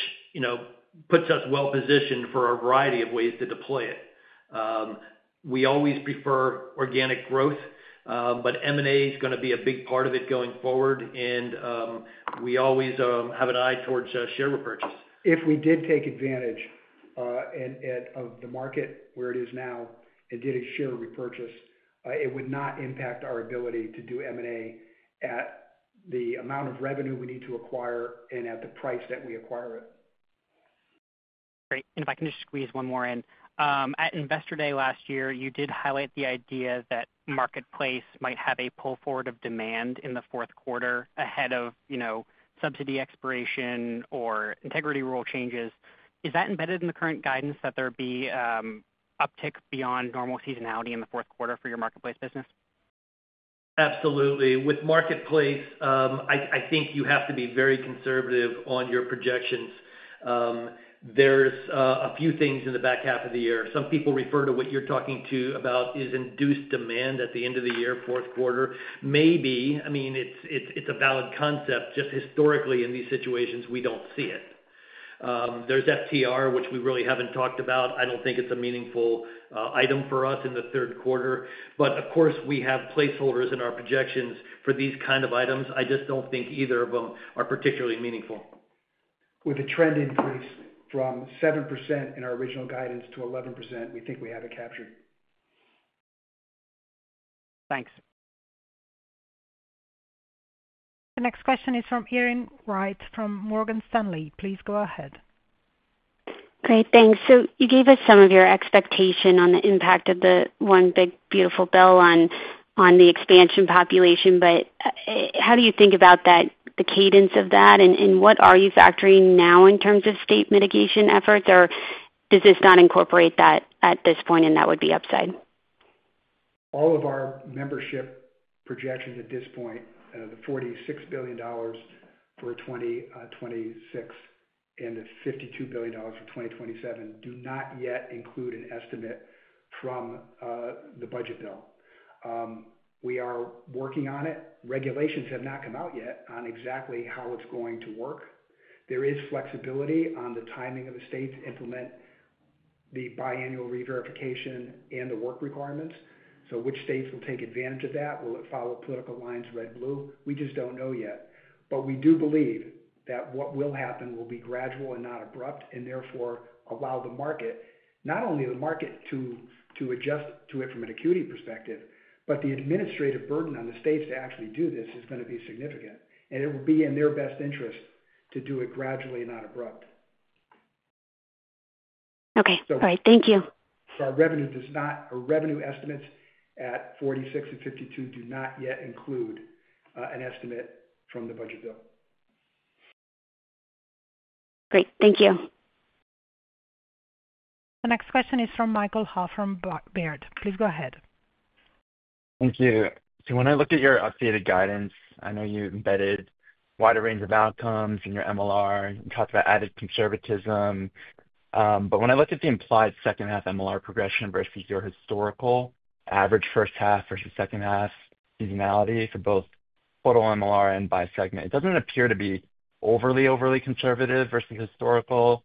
puts us well positioned for a variety of ways to deploy it. We always prefer organic growth, but M and A is going to be a big part of it going forward. And we always have an eye towards share repurchase. If we did take advantage of the market where it is now and did a share repurchase, it would not impact our ability to do M and A at the amount of revenue we need to acquire and at the price that we acquire it. Great. And if I can just squeeze one more in. At Investor Day last year, you did highlight the idea that marketplace might have a pull forward of demand in the fourth quarter ahead of subsidy expiration or integrity rule changes. Is that embedded in the current guidance that there'd be uptick beyond normal seasonality in the fourth quarter for your marketplace business? Absolutely. With marketplace, think you have to be very conservative on your projections. There's a few things in the back half of the year. Some people refer to what you're talking to about is induced demand at the end of the year, fourth quarter, maybe, I mean, it's a valid concept just historically in these situations, we don't see it. There's FTR, which we really haven't talked about. I don't think it's a meaningful item for us in the third quarter. But of course, we have placeholders in our projections for these kind of items. I just don't think either of them are particularly meaningful. With the trend increase from 7% in our original guidance to 11%, we think we have it captured. Thanks. The next question is from Erin Wright from Morgan Stanley. Please go ahead. Great, thanks. So you gave us some of your expectation on the impact of the one big beautiful bill on the expansion population. But how do you think about that the cadence of that? And what are you factoring now in terms of state mitigation efforts? Or does this not incorporate that at this point and that would be upside? All of our membership projections at this point, the $46,000,000,000 for '20, '26 and the $52,000,000,000 for 2027 do not yet include an estimate from, the budget bill. We are working on it. Regulations have not come out yet on exactly how it's going to work. There is flexibility on the timing of the state to implement the biannual reverification and the work requirements. So which states will take advantage of that? Will it follow political lines red blue? We just don't know yet. But we do believe that what will happen will be gradual and not abrupt, and therefore allow the market, not only the market to adjust to it from an acuity perspective, but the administrative burden on the states to actually do this is gonna be significant, and it will be in their best interest to do it gradually, not abrupt. Okay. All right. Thank you. So our revenue does not our revenue estimates at '46 and '52 do not yet include, an estimate from the budget bill. Great. Thank you. The next question is from Michael Hall from Baird. Please go ahead. Thank you. So when I looked at your updated guidance, I know you embedded wider range of outcomes in your MLR and talked about added conservatism. But when I looked at the implied second half MLR progression versus your historical average first half versus second half seasonality for both total MLR and by segment. It doesn't appear to be overly, overly conservative versus historical.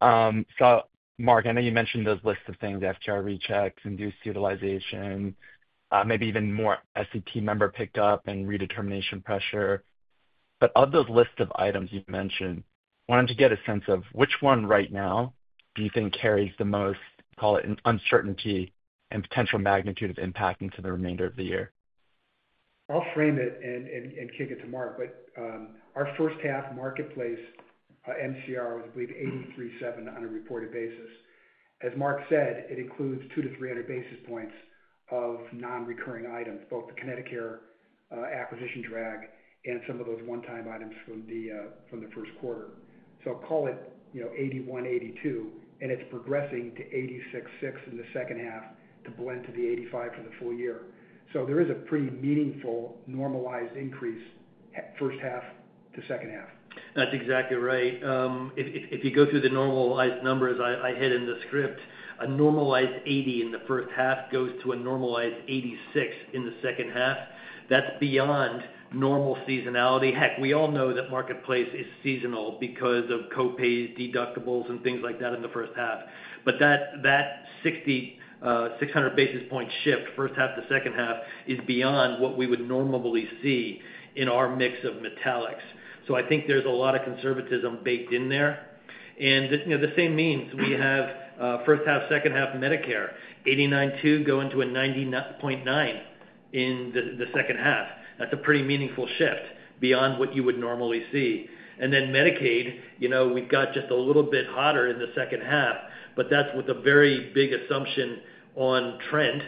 Mark, I know you mentioned those list of things, FTR rechecks, induced utilization, maybe even more SAT member picked up and redetermination pressure. But of those list of items you've mentioned, why don't you get a sense of which one right now do you think carries the most, call it uncertainty and potential magnitude of impact into the remainder of the year? I'll frame it and kick it to Mark, but our first half marketplace MCR was with 83.7 on a reported basis. As Mark said, it includes two to 300 basis points of non recurring items, both the Connecticut acquisition drag and some of those one time items from the first quarter. So call it, 1%, 82% and it's progressing to 86.6% in the second half to blend to the 85% for the full year. So there is a pretty meaningful normalized increase first half to second half. That's exactly right. If you go through the normalized numbers I hit in the script, a normalized 80% in the first half goes to a normalized 86 in the second half. That's beyond normal seasonality. Heck, we all know that marketplace is seasonal because of co pays, deductibles and things like that in the first half. But that 6,600 basis point shift first half to second half is beyond what we would normally see in our mix of metallics. So I think there's a lot of conservatism baked in there. And the same means we have first half, second half Medicare 89.2% going to a 90.9% in the second half. That's a pretty meaningful shift beyond what you would normally see. And then Medicaid, we've got just a little bit hotter in the second half, but that's with a very big assumption on trend,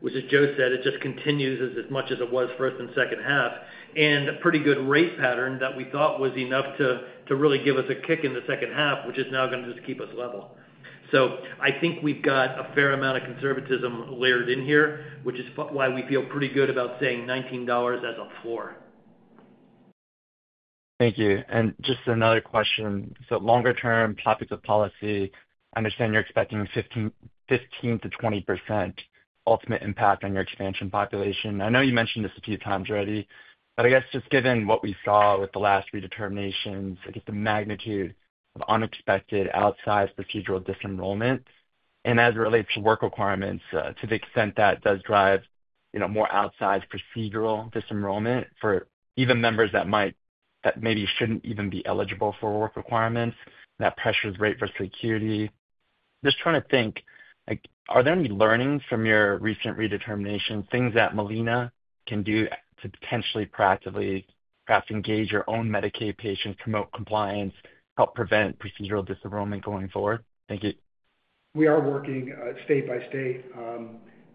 which as Joe said, it just continues as much as it was first and second half and a pretty good rate pattern that we thought was enough to really give us a kick in the second half, which is now going to just keep us level. So I think we've got a fair amount of conservatism layered in here, which is why we feel pretty good about saying $19 as a floor. Thank you. And just another question. So longer term topic of policy, I understand you're expecting 15% to 20% ultimate impact on your expansion population. I know you mentioned this a few times already, but I guess just given what we saw with the last three determinations, I guess the magnitude of unexpected outsized procedural disenrollment. And as it relates to work requirements, to the extent that does drive more outsized procedural disenrollment for even members that might, that maybe shouldn't even be eligible for work requirements that pressures rate for security. Just trying to think, are there any learnings from your recent redetermination things that Molina can do to potentially proactively perhaps engage your own Medicaid patients promote compliance help prevent procedural disenrollment going forward? Thank you. We are working state by state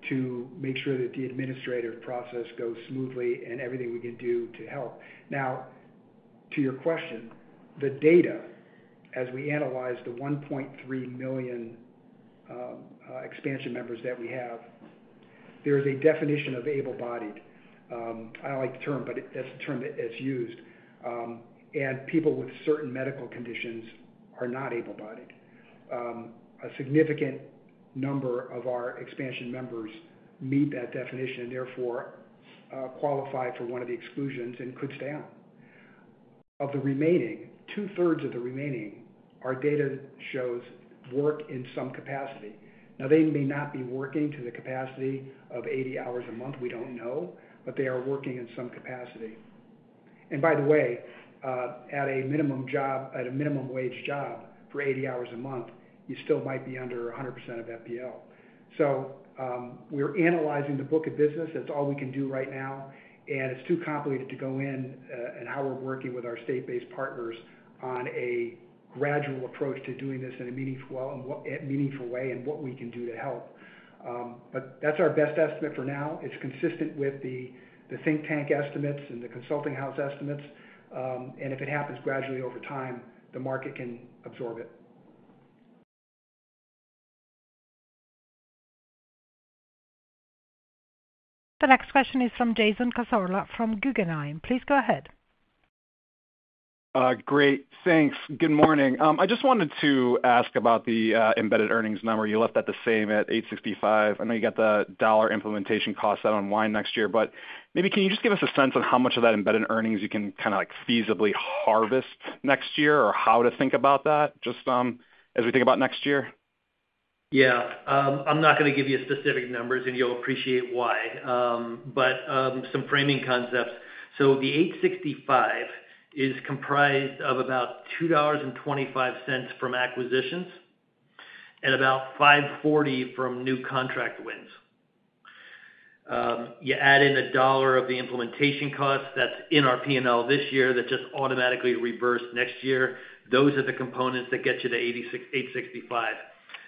to make sure that the administrative process goes smoothly and everything we can do to help. Now to your question, the data as we analyze the 1,300,000 expansion members that we have, there is a definition of able-bodied. I like the term but that's the term that's used And people with certain medical conditions are not able-bodied. A significant number of our expansion members meet that definition and therefore qualify for one of the exclusions and could stay on. Of the remaining, two thirds of the remaining, our data shows work in some capacity. Now they may not be working to the capacity of eighty hours a month, we don't know, but they are working in some capacity. And by the way, at a minimum job at a minimum wage job for eighty hours a month, you still might be under 100% of FPL. So, we're analyzing the book of business, that's all we can do right now and it's too complicated to go in and how we're working with our state based partners on a gradual approach to doing this in a meaningful way and what we can do to help. But that's our best estimate for now. It's consistent with the think tank estimates and the consulting house estimates. And if it happens gradually over time, the market can absorb it. The next question is from Jason Kasorla from Guggenheim. Please go ahead. Great. Thanks. Good morning. I just wanted to ask about the embedded earnings number. You left that the same at $8.65 I know you got the dollar implementation costs that unwind next year. But maybe can you just give us a sense of how much of that embedded earnings you can kind of like feasibly harvest next year or how to think about that just as we think about next year? Yes, I'm not going to give you specific numbers and you'll appreciate why. But some framing concepts. So the $865,000,000 is comprised of about $2.25 from acquisitions and about $5.4 from new contract wins. You add in a dollar of the implementation costs that's in our P and L this year that just automatically reversed next year. Those are the components that get you to 8.65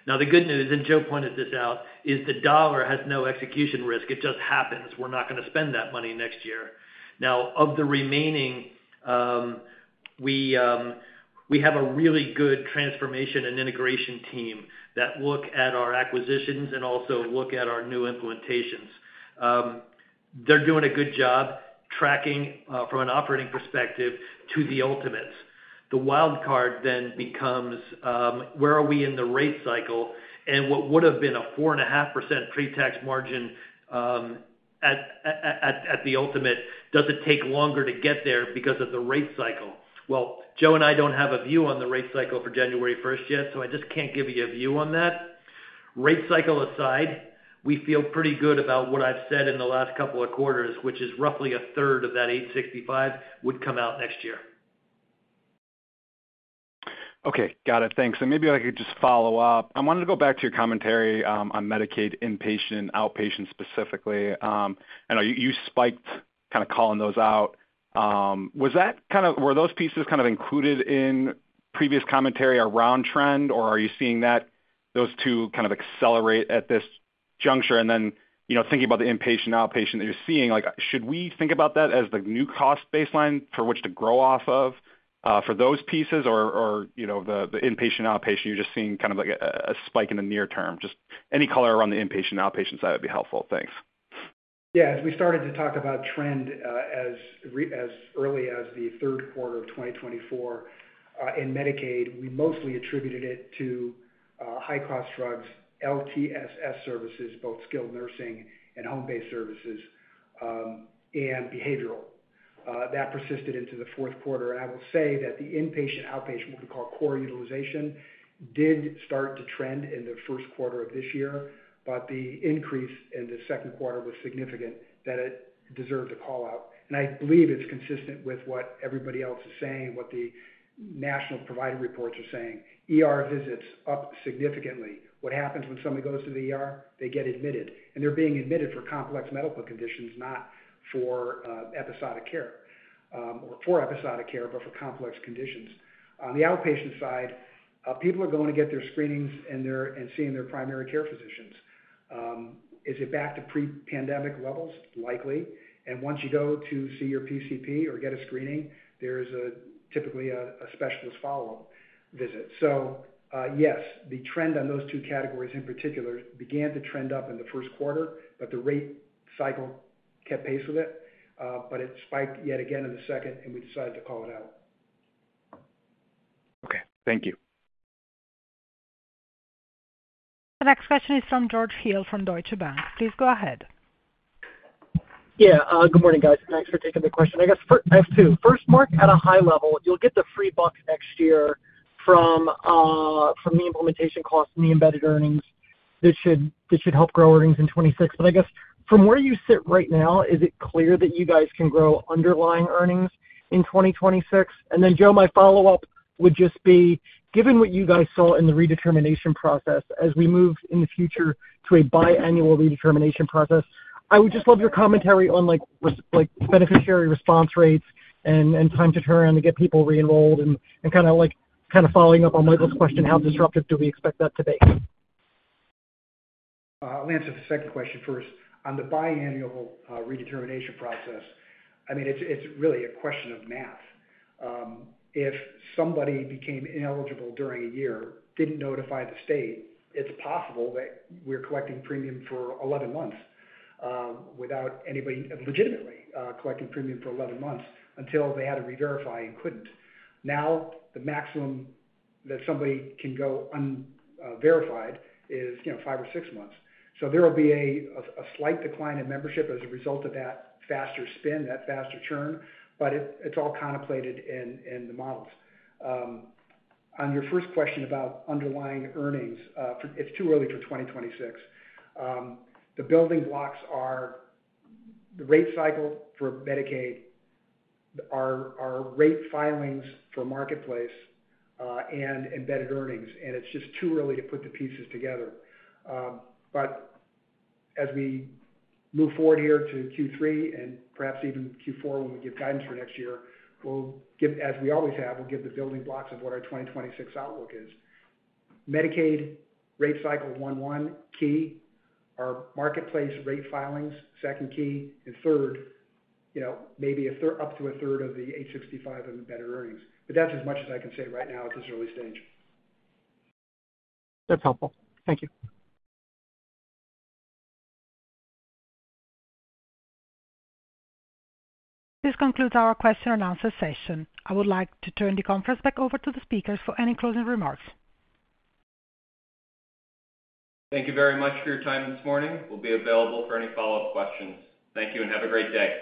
Now the good news, and Joe pointed this out, is the dollar has no execution risk. It just happens. We're not going to spend that money next year. Now of the remaining, we have a really good transformation and integration team that look at our acquisitions and also look at our new implementations. They're doing a good job tracking from an operating perspective to the ultimate. The wildcard then becomes where are we in the rate cycle and what would have been a 4.5% pre tax margin at the ultimate, does it take longer to get there because of the rate cycle? Well, Joe and I don't have a view on the rate cycle for January 1 yet. I just can't give you a view on that. Rate cycle aside, we feel pretty good about what I've said in the last couple of quarters, which is roughly a third of that $865,000,000 would come out next year. Okay, got it. Thanks. And maybe I could just follow-up. I wanted to go back to your commentary on Medicaid inpatient and outpatient specifically. I know you spiked kind of calling those out. Was that kind of were those pieces kind of included in previous commentary around trend? Or are you seeing that those two kind of accelerate at this juncture? And then thinking about the inpatientoutpatient that you're seeing, like should we think about that as the new cost baseline for which to grow off of for those pieces or the inpatient outpatient you're just seeing kind of like a spike in the near term? Just any color around the inpatient outpatient side would be helpful. Thanks. Yeah, as we started to talk about trend as early as the third quarter of twenty twenty four, in Medicaid, we mostly attributed it to high cost drugs, LTSS services, both skilled nursing and home based services and behavioral. That persisted into the fourth quarter and I will say that the inpatient outpatient, what we call core utilization, did start to trend in the first quarter of this year, but the increase in the second quarter was significant that it deserves a call out. And I believe it's consistent with what everybody else is saying, what the national provider reports are saying. ER visits up significantly. What happens when somebody goes to the ER? They get admitted and they're being admitted for complex medical conditions, not for episodic care, or for episodic care, but for complex conditions. On the outpatient side, people are going to get their screenings and seeing their primary care physicians. Is it back to pre pandemic levels? Likely. And once you go to see your PCP or get a screening, there's typically a specialist follow-up visit. So yes, the trend on those two categories in particular began to trend up in the first quarter, but the rate cycle kept pace with it, but it spiked yet again in the second and we decided to call it out. Okay, thank you. The next question is from George Hill from Deutsche Bank. Please go ahead. Yes. Good morning, guys. Thanks for taking the question. I guess I have two. First, Mark, at a high level, you'll get the free bucks next year from the implementation costs and the embedded earnings. This should help grow earnings in 2026. But I guess, from where you sit right now, is it clear that you guys can grow underlying earnings in 2026? And then Joe, my follow-up would just be given what you guys saw in the redetermination process as we move in the future to a biannual redetermination process, I would just love your commentary on like beneficiary response rates and time to turn around to get people re enrolled and kind of like of following up on Michael's question, how disruptive do we expect that to be? I'll answer the second question first. On the biannual redetermination process, I mean, it's really a question of math. If somebody became ineligible during a year, didn't notify the state, it's possible that we're collecting premium for eleven months, without anybody legitimately, collecting premium for eleven months until they had to reverify and couldn't. Now, the maximum that somebody can go unverified is, you know, five or six months. So there will be a slight decline in membership as a result of that faster spin, that faster churn, but it's all contemplated in the models. On your first question about underlying earnings, it's too early for 2026. The building blocks are the rate cycle for Medicaid, our rate filings for marketplace, and embedded earnings, and it's just too early to put the pieces together. But as we move forward here to q three and perhaps even Q4 when we give guidance for next year, we'll give as we always have, we'll give the building blocks of what our 2026 outlook is. Medicaid rate cycle one one key, our marketplace rate filings, second key, and third, maybe up to a third of the August and better earnings. But that's as much as I can say right now at this early stage. That's helpful. Thank you. This concludes our question and answer session. I would like to turn the conference back over to the speakers for any closing remarks. Thank you very much for your time this morning. We'll be available for any follow-up questions. Thank you and have a great day.